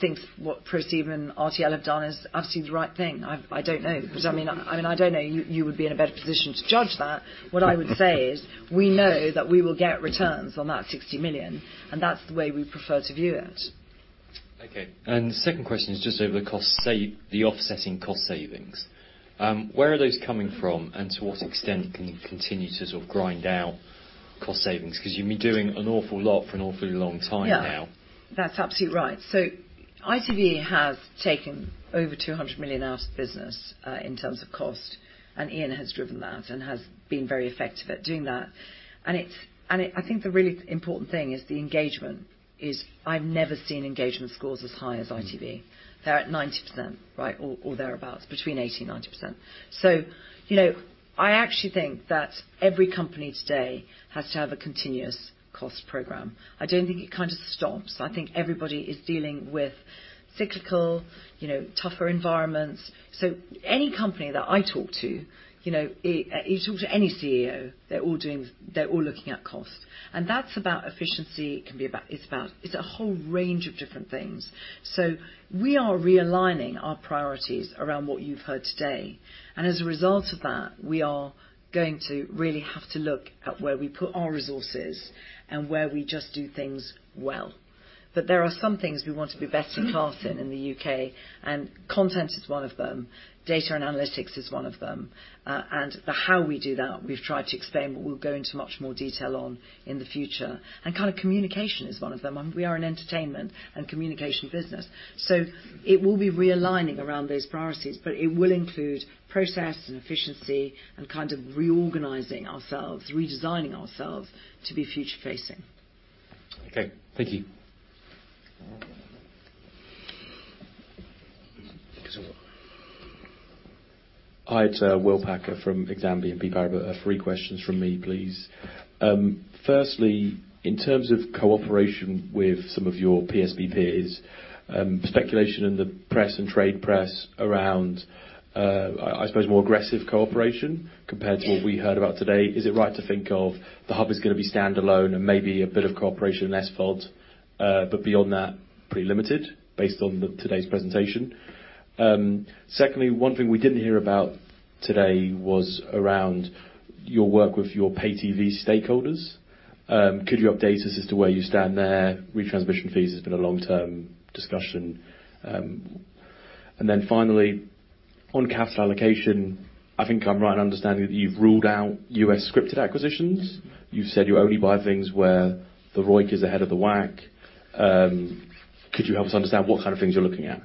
Speaker 1: thinks what ProSieben and RTL have done is absolutely the right thing. I don't know. You would be in a better position to judge that. What I would say is we know that we will get returns on that 60 million, and that's the way we prefer to view it.
Speaker 5: Okay. The second question is just over the offsetting cost savings. Where are those coming from, and to what extent can you continue to sort of grind out- Cost savings, 'cause you've been doing an awful lot for an awfully long time now.
Speaker 1: Yeah. That's absolutely right. ITV has taken over 200 million out of the business in terms of cost, Ian has driven that and has been very effective at doing that. I think the really important thing is the engagement is I've never seen engagement scores as high as ITV. They're at 90%, right? Or thereabouts, between 80%-90%. I actually think that every company today has to have a continuous cost program. I don't think it kind of stops. I think everybody is dealing with cyclical, tougher environments. Any company that I talk to, you talk to any CEO, they're all looking at cost. That's about efficiency. It's a whole range of different things. We are realigning our priorities around what you've heard today. As a result of that, we are going to really have to look at where we put our resources and where we just do things well. There are some things we want to be best in class in the U.K., and content is one of them. Data and analytics is one of them. The how we do that, we've tried to explain, but we'll go into much more detail on in the future. Kind of communication is one of them. We are an entertainment and communication business. It will be realigning around those priorities, but it will include process and efficiency and kind of reorganizing ourselves, redesigning ourselves to be future-facing.
Speaker 5: Okay. Thank you.
Speaker 6: Hi, it's William Packer from Exane BNP Paribas. Three questions from me, please. Firstly, in terms of cooperation with some of your PSB peers, speculation in the press and trade press around, I suppose more aggressive cooperation compared to what we heard about today. Is it right to think of the Hub is gonna be standalone and maybe a bit of cooperation in SVOD, but beyond that, pretty limited based on the, today's presentation? Secondly, one thing we didn't hear about today was around your work with your pay TV stakeholders. Could you update us as to where you stand there? Retransmission fees has been a long-term discussion. Finally, on capital allocation, I think I'm right in understanding that you've ruled out U.S. scripted acquisitions. You've said you only buy things where the ROIC is ahead of the WACC. Could you help us understand what kind of things you're looking at?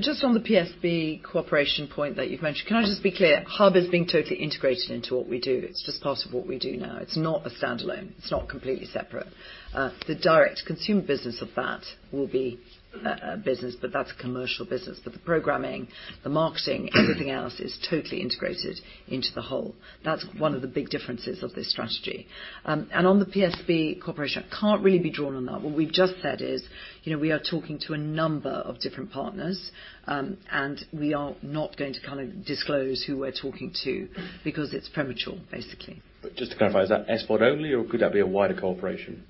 Speaker 1: Just on the PSB cooperation point that you've mentioned, can I just be clear? Hub is being totally integrated into what we do. It's just part of what we do now. It's not a standalone. It's not completely separate. The direct-to-consumer business of that will be a business, but that's a commercial business. The programming, the marketing, everything else is totally integrated into the whole. That's one of the big differences of this strategy. On the PSB cooperation, I can't really be drawn on that. What we've just said is, we are talking to a number of different partners, and we are not going to kind of disclose who we're talking to because it's premature, basically.
Speaker 6: Just to clarify, is that SVOD only, or could that be a wider cooperation?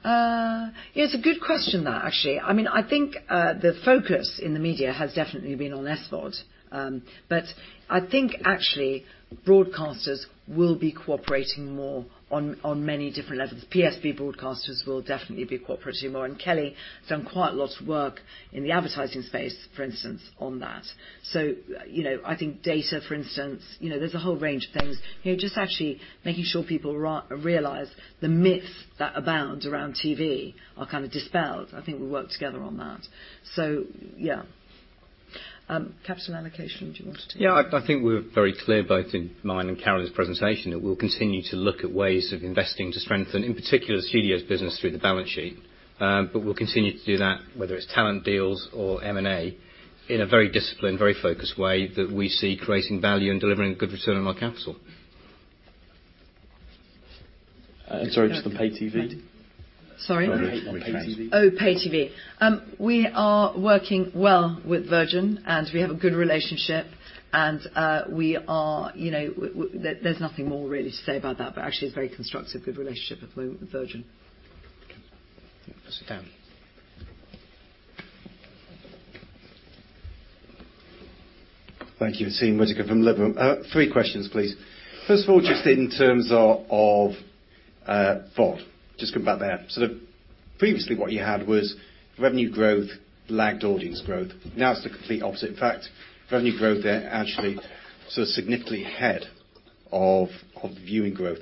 Speaker 1: It's a good question, that, actually. I think the focus in the media has definitely been on SVOD. I think actually broadcasters will be cooperating more on many different levels. PSB broadcasters will definitely be cooperating more. Kelly has done quite a lot of work in the advertising space, for instance, on that. I think data, for instance, there's a whole range of things. Just actually making sure people realize the myths that abound around TV are kind of dispelled. I think we work together on that. Yeah. Capital allocation. Do you want to take that?
Speaker 3: Yeah. I think we're very clear both in mine and Carolyn's presentation that we'll continue to look at ways of investing to strengthen, in particular, the studios business through the balance sheet. We'll continue to do that, whether it's talent deals or M&A, in a very disciplined, very focused way that we see creating value and delivering good return on our capital.
Speaker 6: Sorry, just on pay TV.
Speaker 1: Sorry?
Speaker 3: Retransmission. Pay TV. We are working well with Virgin, we have a good relationship, we are, there's nothing more really to say about that, actually it's a very constructive, good relationship with Virgin.
Speaker 6: Okay. Sit down.
Speaker 7: Thank you. Tim Whittaker from Liberum. Three questions, please. First of all, just in terms of VOD. Just come back there. Sort of previously what you had was revenue growth lagged audience growth. Now it's the complete opposite. In fact, revenue growth there actually sort of significantly ahead of viewing growth.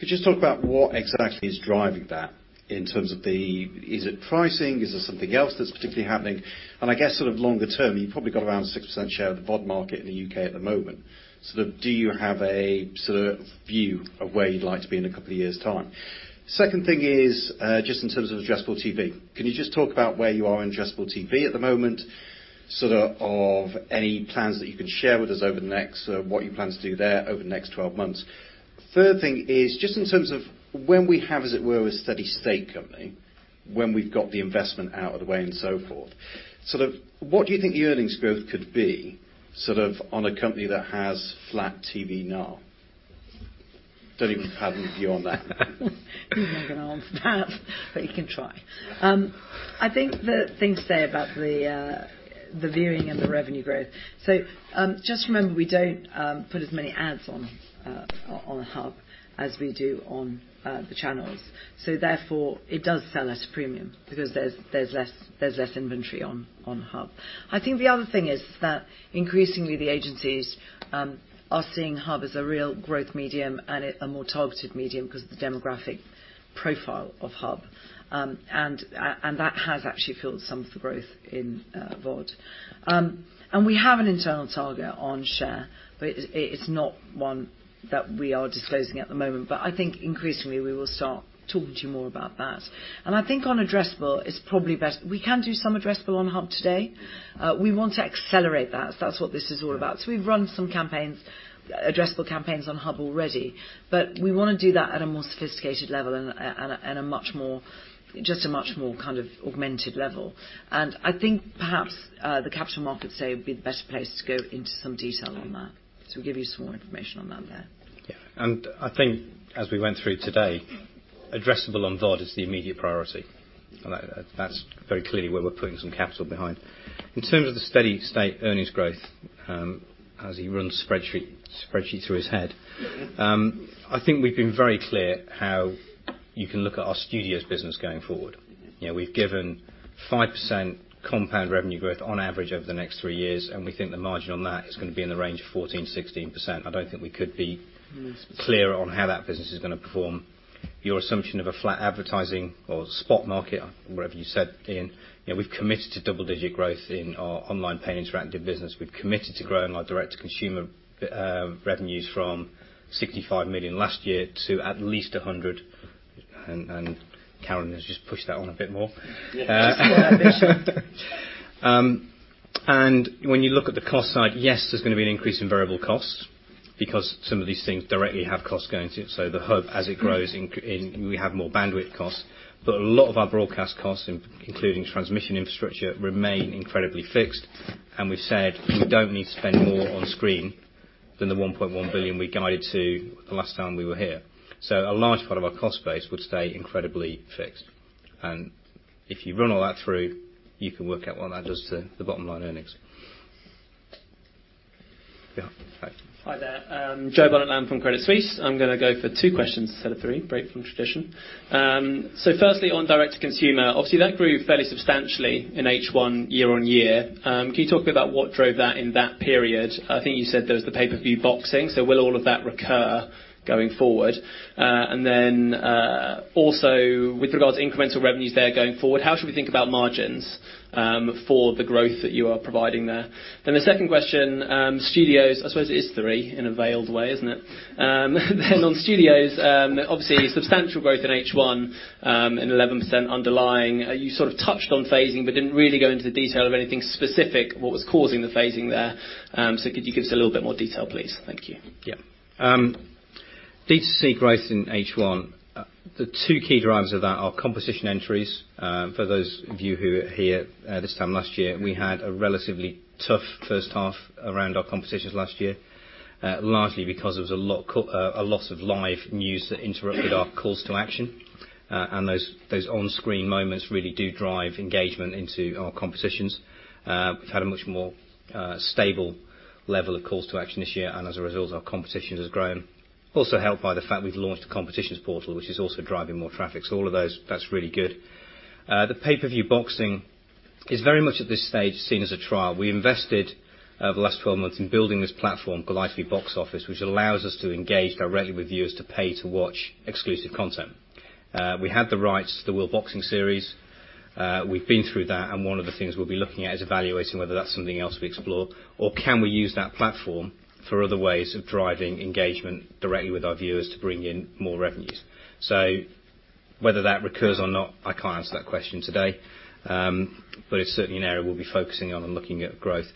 Speaker 7: Could you just talk about what exactly is driving that in terms of the Is it pricing? Is there something else that's particularly happening? I guess sort of longer term, you've probably got around a 6% share of the VOD market in the U.K. at the moment. Sort of do you have a sort of view of where you'd like to be in a couple of years' time? Second thing is, just in terms of addressable TV. Can you just talk about where you are in addressable TV at the moment, sort of any plans that you can share with us over the next, what you plan to do there over the next 12 months? The third thing is, just in terms of when we have, as it were, a steady state company, when we've got the investment out of the way and so forth. Sort of what do you think the earnings growth could be sort of on a company that has flat TV now? Don't even have a view on that.
Speaker 1: He's not going to answer that, but he can try. I think the things said about the viewing and the revenue growth. Just remember, we don't put as many ads on Hub as we do on the channels. Therefore, it does sell at a premium because there's less inventory on Hub. I think the other thing is that increasingly the agencies are seeing Hub as a real growth medium and a more targeted medium because of the demographic profile of Hub. That has actually fueled some of the growth in VOD. We have an internal target on share, but it's not one that we are disclosing at the moment. I think increasingly we will start talking to you more about that. I think on addressable, we can do some addressable on Hub today. We want to accelerate that. That's what this is all about. We've run some addressable campaigns on Hub already, but we want to do that at a more sophisticated level and just a much more kind of augmented level. I think perhaps the Capital Markets Day would be the better place to go into some detail on that. We'll give you some more information on that then.
Speaker 3: Yeah. I think as we went through today, addressable on VOD is the immediate priority. That is very clearly where we're putting some capital behind. In terms of the steady state earnings growth, as he runs spreadsheet through his head, I think we've been very clear how you can look at our Studios business going forward. We've given 5% compound revenue growth on average over the next three years, and we think the margin on that is going to be in the range of 14%-16%. I don't think we could be clearer on how that business is going to perform. Your assumption of a flat advertising or spot market or whatever you said, Ian, we've committed to double-digit growth in our online pay interactive business. We've committed to growing our direct-to-consumer revenues from 65 million last year to at least 100 million. Carolyn has just pushed that on a bit more.
Speaker 1: Yeah. Just for ambition.
Speaker 3: When you look at the cost side, yes, there's going to be an increase in variable costs because some of these things directly have costs going to. The ITV Hub, as it grows, we have more bandwidth costs, but a lot of our broadcast costs, including transmission infrastructure, remain incredibly fixed. We've said we don't need to spend more on screen than the 1.1 billion we guided to the last time we were here. A large part of our cost base would stay incredibly fixed. If you run all that through, you can work out what that does to the bottom line earnings. Yeah. Hi.
Speaker 8: Hi there. Joe Bonett-Lamb from Credit Suisse. I'm going to go for two questions instead of three, break from tradition. Firstly, on direct to consumer, obviously that grew fairly substantially in H1 year-on-year. Can you talk a bit about what drove that in that period? I think you said there was the pay-per-view boxing. Will all of that recur going forward? Then, also with regards to incremental revenues there going forward, how should we think about margins for the growth that you are providing there? The second question, ITV Studios-- I suppose it is three in a veiled way, isn't it? On ITV Studios, obviously substantial growth in H1 and 11% underlying. You sort of touched on phasing but didn't really go into the detail of anything specific, what was causing the phasing there. Could you give us a little bit more detail, please? Thank you.
Speaker 3: Yeah. DTC growth in H1, the two key drivers of that are competition entries. For those of you who were here, this time last year, we had a relatively tough first half around our competitions last year, largely because there was a loss of live news that interrupted our calls to action. Those on-screen moments really do drive engagement into our competitions. We've had a much more stable level of calls to action this year, and as a result, our competition has grown. Also helped by the fact we've launched a competitions portal, which is also driving more traffic. All of those, that's really good. The pay-per-view boxing is very much at this stage seen as a trial. We invested over the last 12 months in building this platform, Goliath Box Office, which allows us to engage directly with viewers to pay to watch exclusive content. We had the rights to the World Boxing Series. One of the things we'll be looking at is evaluating whether that's something else we explore or can we use that platform for other ways of driving engagement directly with our viewers to bring in more revenues. Whether that recurs or not, I can't answer that question today. It's certainly an area we'll be focusing on and looking at growth.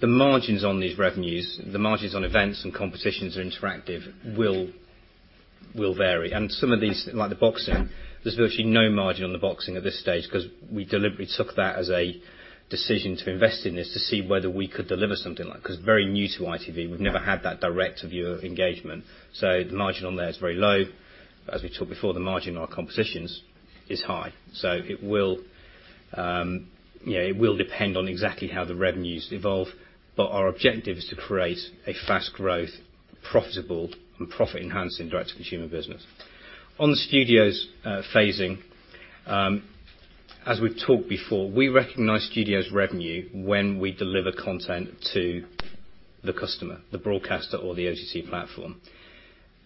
Speaker 3: The margins on these revenues, the margins on events and competitions or interactive will vary. Some of these, like the boxing, there's virtually no margin on the boxing at this stage because we deliberately took that as a decision to invest in this to see whether we could deliver something like Because very new to ITV. We've never had that direct viewer engagement. The margin on there is very low. As we talked before, the margin on our competitions is high. It will depend on exactly how the revenues evolve, but our objective is to create a fast growth, profitable, and profit-enhancing direct-to-consumer business. On the Studios phasing, as we've talked before, we recognize Studios revenue when we deliver content to the customer, the broadcaster or the OTT platform.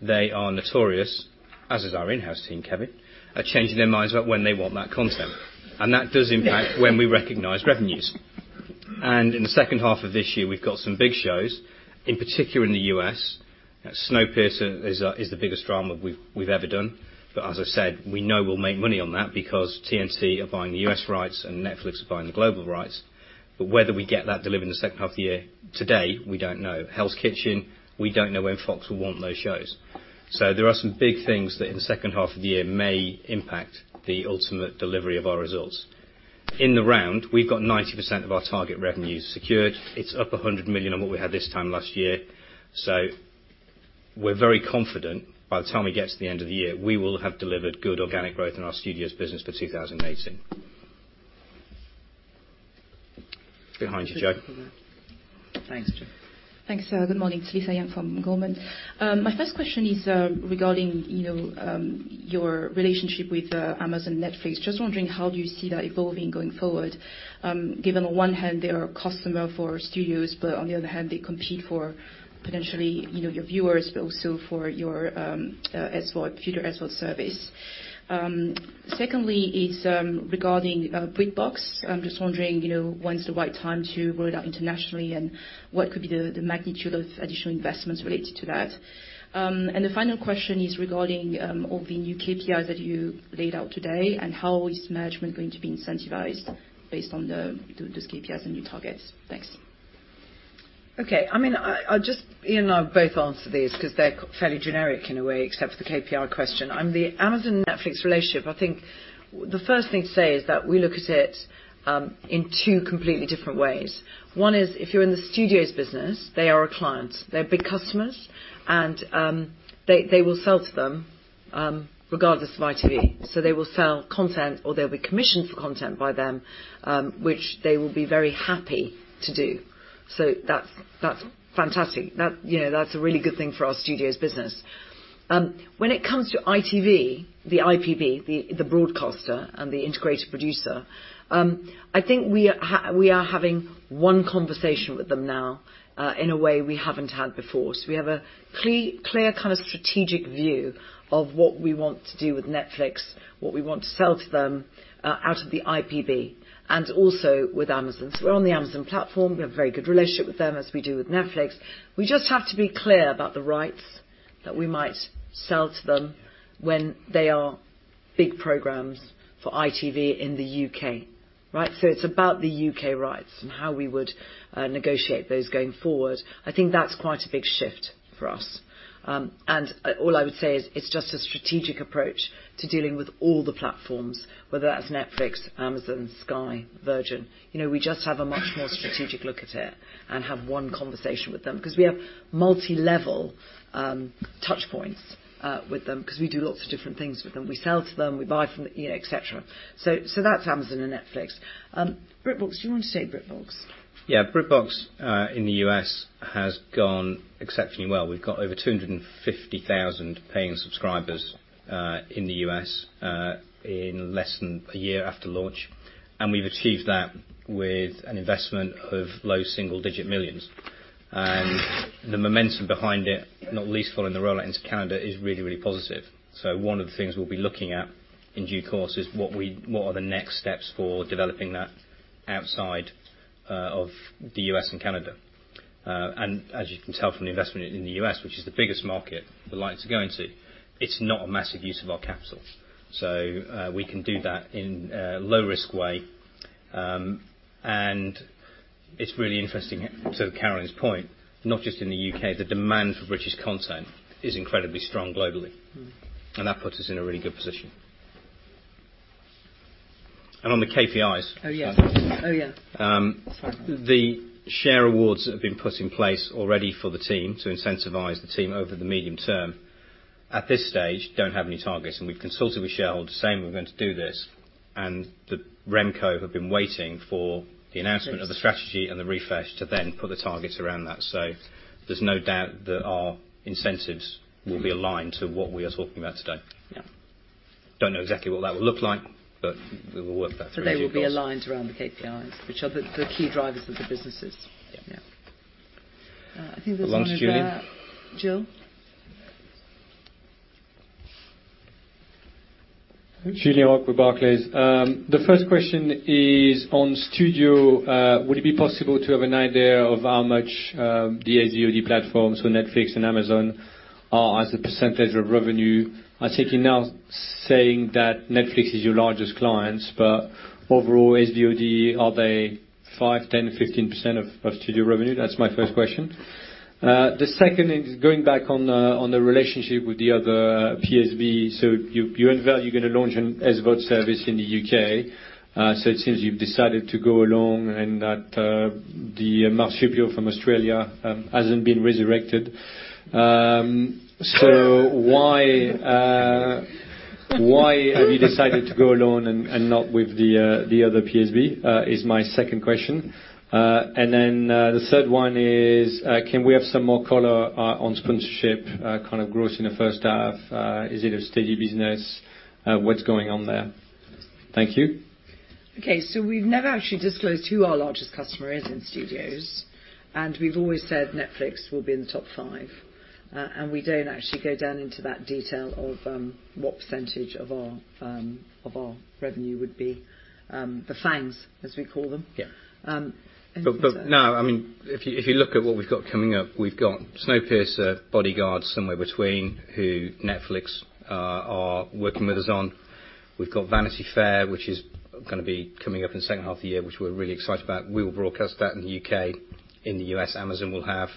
Speaker 3: They are notorious, as is our in-house team, Kevin, at changing their minds about when they want that content. That does impact when we recognize revenues. In the second half of this year, we've got some big shows, in particular in the U.S. "Snowpiercer" is the biggest drama we've ever done. As I said, we know we'll make money on that because TNT are buying the U.S. rights and Netflix are buying the global rights. Whether we get that delivered in the second half of the year, today, we don't know. Hell's Kitchen, we don't know when Fox will want those shows. There are some big things that in the second half of the year may impact the ultimate delivery of our results. In the round, we've got 90% of our target revenues secured. It's up 100 million on what we had this time last year. We're very confident by the time we get to the end of the year, we will have delivered good organic growth in our studios business for 2018. Behind you, Joe.
Speaker 8: Thanks.
Speaker 9: Thanks. Good morning. It's Lisa Yang from Goldman. My first question is, regarding your relationship with Amazon and Netflix. Just wondering, how do you see that evolving going forward? Given on one hand they are a customer for studios, but on the other hand, they compete for potentially your viewers, but also for your future SVOD service. Secondly, it's regarding BritBox. I'm just wondering when's the right time to roll it out internationally, and what could be the magnitude of additional investments related to that? The final question is regarding all the new KPIs that you laid out today, and how is management going to be incentivized based on those KPIs and new targets? Thanks.
Speaker 1: Okay. Ian and I will both answer these because they're fairly generic in a way, except for the KPI question. On the Amazon/Netflix relationship, I think the first thing to say is that we look at it in two completely different ways. One is, if you're in the studios business, they are a client. They're big customers, and they will sell to them, regardless of ITV. They will sell content, or they'll be commissioned for content by them, which they will be very happy to do. That's fantastic. That's a really good thing for our studios business. When it comes to ITV, the IPB, the broadcaster and the integrator producer, I think we are having one conversation with them now, in a way we haven't had before. We have a clear kind of strategic view of what we want to do with Netflix, what we want to sell to them out of the IPB, and also with Amazon. We're on the Amazon platform. We have a very good relationship with them as we do with Netflix. We just have to be clear about the rights that we might sell to them when they are big programs for ITV in the U.K. Right? It's about the U.K. rights and how we would negotiate those going forward. I think that's quite a big shift for us. All I would say is it's just a strategic approach to dealing with all the platforms, whether that's Netflix, Amazon, Sky, Virgin. We just have a much more strategic look at it and have one conversation with them. Because we have multi-level touchpoints with them, because we do lots of different things with them. We sell to them, we buy from them, et cetera. That's Amazon and Netflix. BritBox, do you want to say BritBox?
Speaker 3: Yeah. BritBox in the U.S. has gone exceptionally well. We've got over 250,000 paying subscribers in the U.S. in less than a year after launch. We've achieved that with an investment of low single-digit millions. The momentum behind it, not least following the rollout into Canada, is really positive. One of the things we'll be looking at in due course is what are the next steps for developing that outside of the U.S. and Canada. As you can tell from the investment in the U.S., which is the biggest market we'd like to go into, it's not a massive use of our capital. We can do that in a low-risk way. It's really interesting, to Carolyn's point, not just in the U.K., the demand for British content is incredibly strong globally. That puts us in a really good position. On the KPIs-
Speaker 1: Oh, yeah
Speaker 3: The share awards that have been put in place already for the team to incentivize the team over the medium term, at this stage, don't have any targets. We've consulted with shareholders saying we're going to do this. The RemCo have been waiting for the announcement of the strategy and the refresh to then put the targets around that. There's no doubt that our incentives will be aligned to what we are talking about today.
Speaker 1: Yeah.
Speaker 3: Don't know exactly what that will look like, but we will work that through.
Speaker 1: They will be aligned around the KPIs, which are the key drivers of the businesses.
Speaker 3: Yeah.
Speaker 1: Yeah. I think there's one at the back. The last one. Jill?
Speaker 10: Julien Roch with Barclays. The first question is on ITV Studios. Would it be possible to have an idea of how much the SVOD platforms, Netflix and Amazon are as a percentage of revenue? I take it now saying that Netflix is your largest client, but overall SVOD, are they five, 10, 15% of ITV Studios revenue? That's my first question. The second is going back on the relationship with the other PSB. You unveil you're going to launch an SVOD service in the U.K. It seems you've decided to go alone and that the marsupial from Australia hasn't been resurrected. Why have you decided to go alone and not with the other PSB? Is my second question. The third one is, can we have some more color on sponsorship, kind of growth in the first half? Is it a steady business? What's going on there? Thank you.
Speaker 1: Okay. We've never actually disclosed who our largest customer is in ITV Studios. We've always said Netflix will be in the top five. We don't actually go down into that detail of what percentage of our revenue would be, the FANGs as we call them.
Speaker 3: Yeah.
Speaker 1: Anything to add?
Speaker 3: No, if you look at what we've got coming up, we've got "Snowpiercer," "Bodyguard," "Somewhere Between," who Netflix are working with us on. We've got "Vanity Fair," which is going to be coming up in the second half of the year, which we're really excited about. We will broadcast that in the U.K., in the U.S. Amazon will have.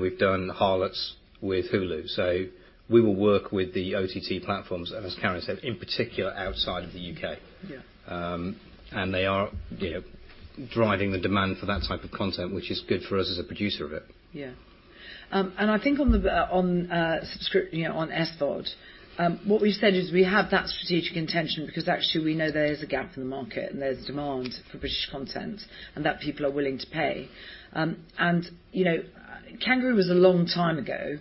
Speaker 3: We've done the "Harlots" with Hulu. We will work with the OTT platforms, and as Carolyn said, in particular outside of the U.K.
Speaker 1: Yeah.
Speaker 3: They are driving the demand for that type of content, which is good for us as a producer of it.
Speaker 1: Yeah. I think on SVOD, what we've said is we have that strategic intention because actually we know there is a gap in the market, and there's a demand for British content, and that people are willing to pay. Kangaroo was a long time ago,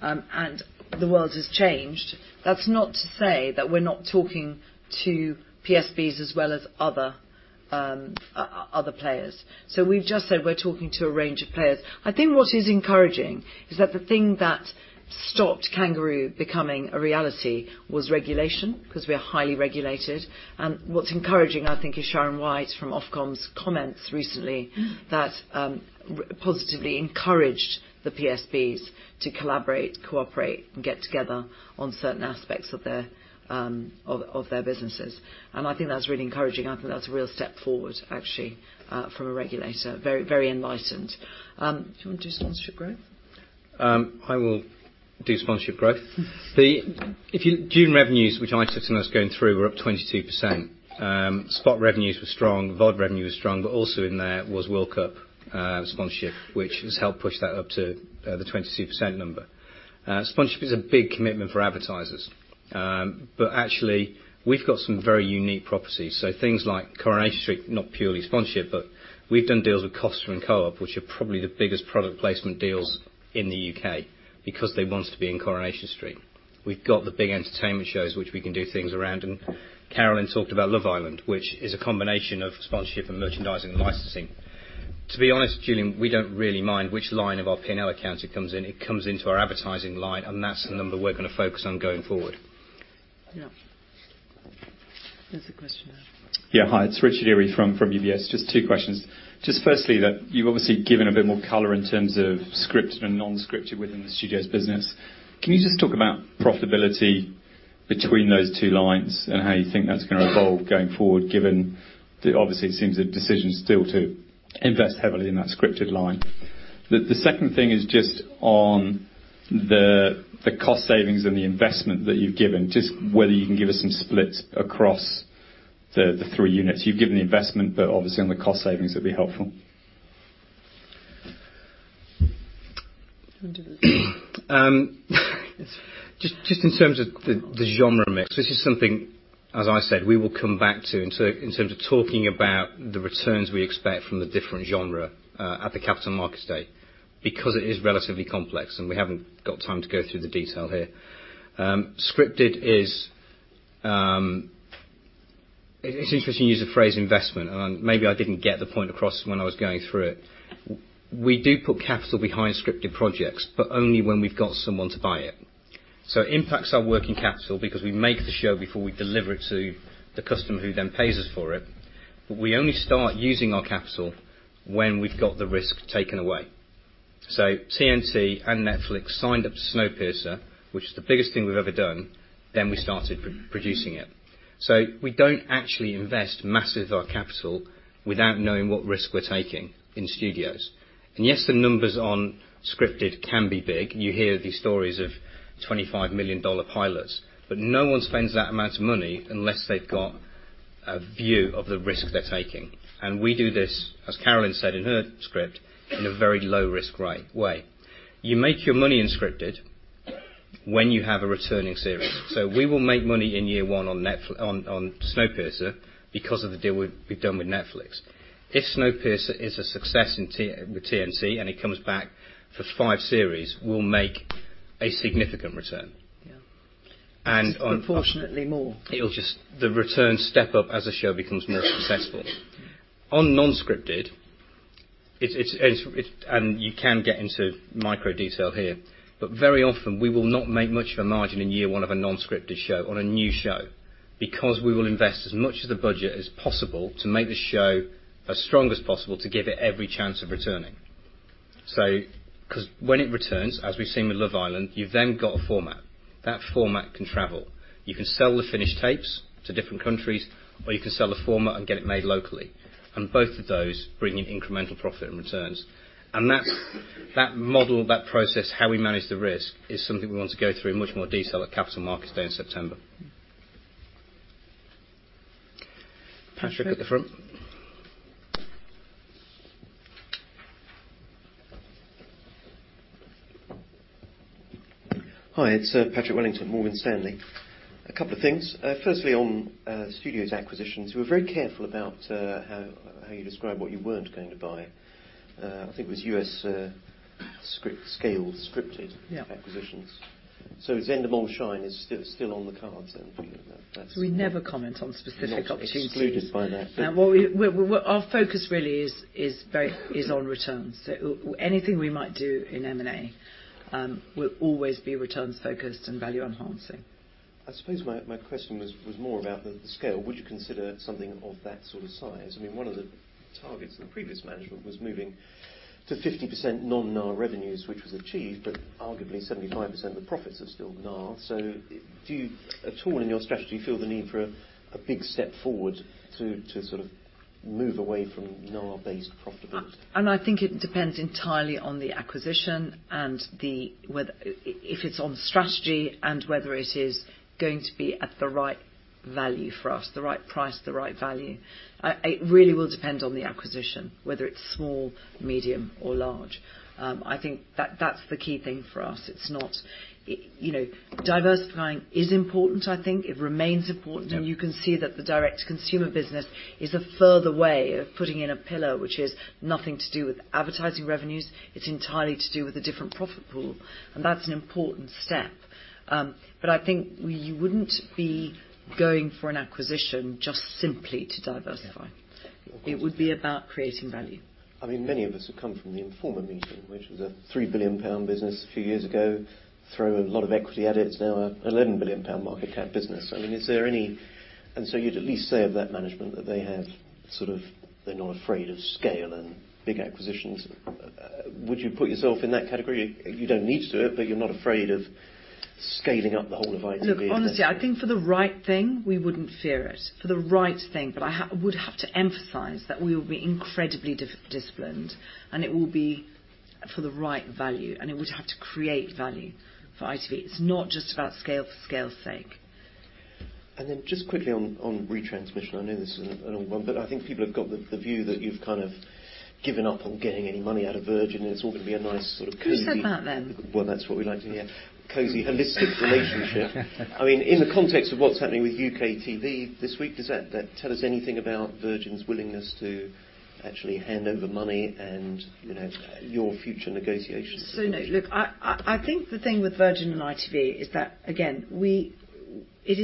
Speaker 1: and the world has changed. That's not to say that we're not talking to PSBs as well as other players. We've just said we're talking to a range of players. I think what is encouraging is that the thing that stopped Kangaroo becoming a reality was regulation, because we are highly regulated. What's encouraging, I think, is Sharon White from Ofcom's comments recently that positively encouraged the PSBs to collaborate, cooperate, and get together on certain aspects of their businesses. I think that's really encouraging. I think that's a real step forward, actually, from a regulator. Very enlightened. Do you want to do sponsorship growth?
Speaker 3: I will do sponsorship growth. June revenues, which I took some of us going through, were up 22%. Spot revenues were strong, VOD revenue was strong, but also in there was World Cup sponsorship, which has helped push that up to the 22% number. Sponsorship is a big commitment for advertisers. Actually, we've got some very unique properties. Things like "Coronation Street," not purely sponsorship, but we've done deals with Costa and Co-op, which are probably the biggest product placement deals in the U.K. because they wanted to be in "Coronation Street." We've got the big entertainment shows which we can do things around, and Carolyn talked about "Love Island," which is a combination of sponsorship and merchandising and licensing. To be honest, Julian, we don't really mind which line of our P&L accounts it comes in. It comes into our advertising line, that's the number we're going to focus on going forward.
Speaker 1: Yeah. There's a question.
Speaker 11: Hi, it's Richard Eary from UBS. Just two questions. Firstly, you've obviously given a bit more color in terms of scripted and non-scripted within the Studios business. Can you talk about profitability between those two lines and how you think that's going to evolve going forward, given that obviously it seems a decision still to invest heavily in that scripted line? The second thing is on the cost savings and the investment that you've given, whether you can give us some splits across the three units. You've given the investment, but obviously on the cost savings, that'd be helpful.
Speaker 1: Do you want to do this?
Speaker 3: In terms of the genre mix, this is something, as I said, we will come back to in terms of talking about the returns we expect from the different genre at the capital market date, because it is relatively complex, and we haven't got time to go through the detail here. Scripted. It's interesting you use the phrase investment, and maybe I didn't get the point across when I was going through it. We do put capital behind scripted projects, but only when we've got someone to buy it. It impacts our working capital because we make the show before we deliver it to the customer who then pays us for it. We only start using our capital when we've got the risk taken away. TNT and Netflix signed up to "Snowpiercer," which is the biggest thing we've ever done, we started producing it. We don't actually invest massive capital without knowing what risk we're taking in Studios. Yes, the numbers on scripted can be big. You hear these stories of GBP 25 million pilots, but no one spends that amount of money unless they've got a view of the risk they're taking. We do this, as Carolyn said in her script, in a very low-risk way. You make your money in scripted when you have a returning series. We will make money in year one on "Snowpiercer" because of the deal we've done with Netflix. If "Snowpiercer" is a success with TNT and it comes back for five series, we'll make a significant return.
Speaker 1: Yeah.
Speaker 3: And on-
Speaker 1: Fortunately more.
Speaker 3: The returns step up as a show becomes more successful. On non-scripted, and you can get into micro detail here, but very often we will not make much of a margin in year one of a non-scripted show on a new show, because we will invest as much of the budget as possible to make the show as strong as possible to give it every chance of returning. Because when it returns, as we've seen with "Love Island," you've then got a format. That format can travel. You can sell the finished tapes to different countries, or you can sell the format and get it made locally. Both of those bring in incremental profit and returns. That model, that process, how we manage the risk, is something we want to go through in much more detail at Capital Market Day in September.
Speaker 1: Patrick at the front.
Speaker 12: Hi, it's Patrick Wellington, Morgan Stanley. A couple of things. Firstly, on studios acquisitions, you were very careful about how you described what you weren't going to buy. I think it was U.S. scale scripted-
Speaker 1: Yeah
Speaker 12: acquisitions. Endemol Shine is still on the cards then for you. That's-
Speaker 1: We never comment on specific opportunities.
Speaker 12: You excluded by that.
Speaker 1: Our focus really is on returns. Anything we might do in M&A will always be returns focused and value enhancing.
Speaker 12: I suppose my question was more about the scale. Would you consider something of that sort of size? One of the targets of the previous management was moving to 50% non-NAR revenues, which was achieved, but arguably 75% of the profits are still NAR. Do you at all in your strategy feel the need for a big step forward to sort of move away from NAR-based profitability?
Speaker 1: I think it depends entirely on the acquisition and if it's on strategy, and whether it is going to be at the right value for us, the right price, the right value. It really will depend on the acquisition, whether it's small, medium, or large. I think that's the key thing for us. Diversifying is important, I think.
Speaker 12: Yeah
Speaker 1: You can see that the direct consumer business is a further way of putting in a pillar, which is nothing to do with advertising revenues, it's entirely to do with a different profit pool, and that's an important step. I think we wouldn't be going for an acquisition just simply to diversify.
Speaker 12: Yeah. Of course.
Speaker 1: It would be about creating value.
Speaker 12: Many of us have come from the Informa meeting, which was a 3 billion pound business a few years ago. Throw a lot of equity at it's now a 11 billion pound market cap business. You'd at least say of that management that they're not afraid of scale and big acquisitions. Would you put yourself in that category? You don't need to do it, but you're not afraid of scaling up the whole of ITV?
Speaker 1: Look, honestly, I think for the right thing, we wouldn't fear it. For the right thing. I would have to emphasize that we will be incredibly disciplined, and it will be for the right value, and it would have to create value for ITV. It's not just about scale for scale's sake.
Speaker 12: Just quickly on retransmission, I know this is an old one, but I think people have got the view that you've kind of given up on getting any money out of Virgin and it's all going to be a nice sort of cozy-
Speaker 1: Who said that, then?
Speaker 12: That's what we like to hear. Cozy and this good relationship. In the context of what's happening with UKTV this week, does that tell us anything about Virgin's willingness to actually hand over money and your future negotiations?
Speaker 1: No. I think the thing with Virgin and ITV is that, again, it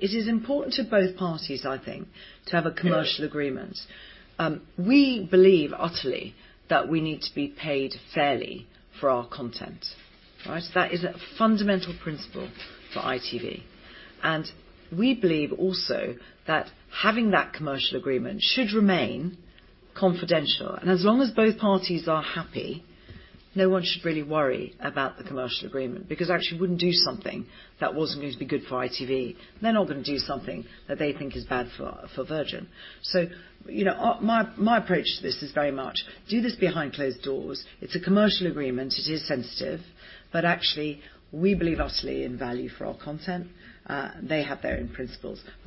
Speaker 1: is important to both parties, I think, to have a commercial agreement. We believe utterly that we need to be paid fairly for our content. Right? That is a fundamental principle for ITV. We believe also that having that commercial agreement should remain confidential. As long as both parties are happy, no one should really worry about the commercial agreement, because I actually wouldn't do something that wasn't going to be good for ITV, and they're not going to do something that they think is bad for Virgin. My approach to this is very much do this behind closed doors. It's a commercial agreement. It is sensitive, but actually, we believe utterly in value for our content.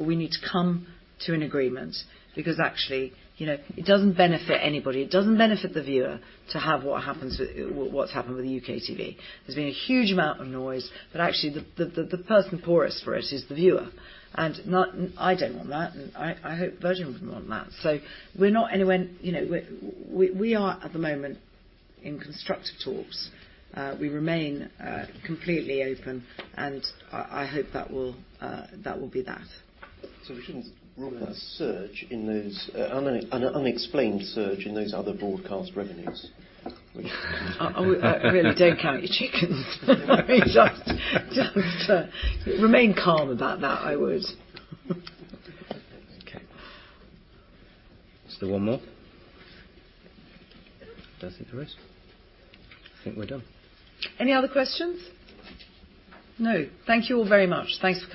Speaker 1: We need to come to an agreement because actually, it doesn't benefit anybody. It doesn't benefit the viewer to have what's happened with UKTV. There's been a huge amount of noise, but actually, the person poorest for it is the viewer. I don't want that, and I hope Virgin wouldn't want that. We are at the moment in constructive talks. We remain completely open, and I hope that will be that.
Speaker 12: We shouldn't rule out a surge, an unexplained surge in those other broadcast revenues?
Speaker 1: Really don't count your chickens. Remain calm about that, I would.
Speaker 12: Okay. Just the one more? If that's it the rest, I think we're done.
Speaker 1: Any other questions? No. Thank you all very much. Thanks for coming.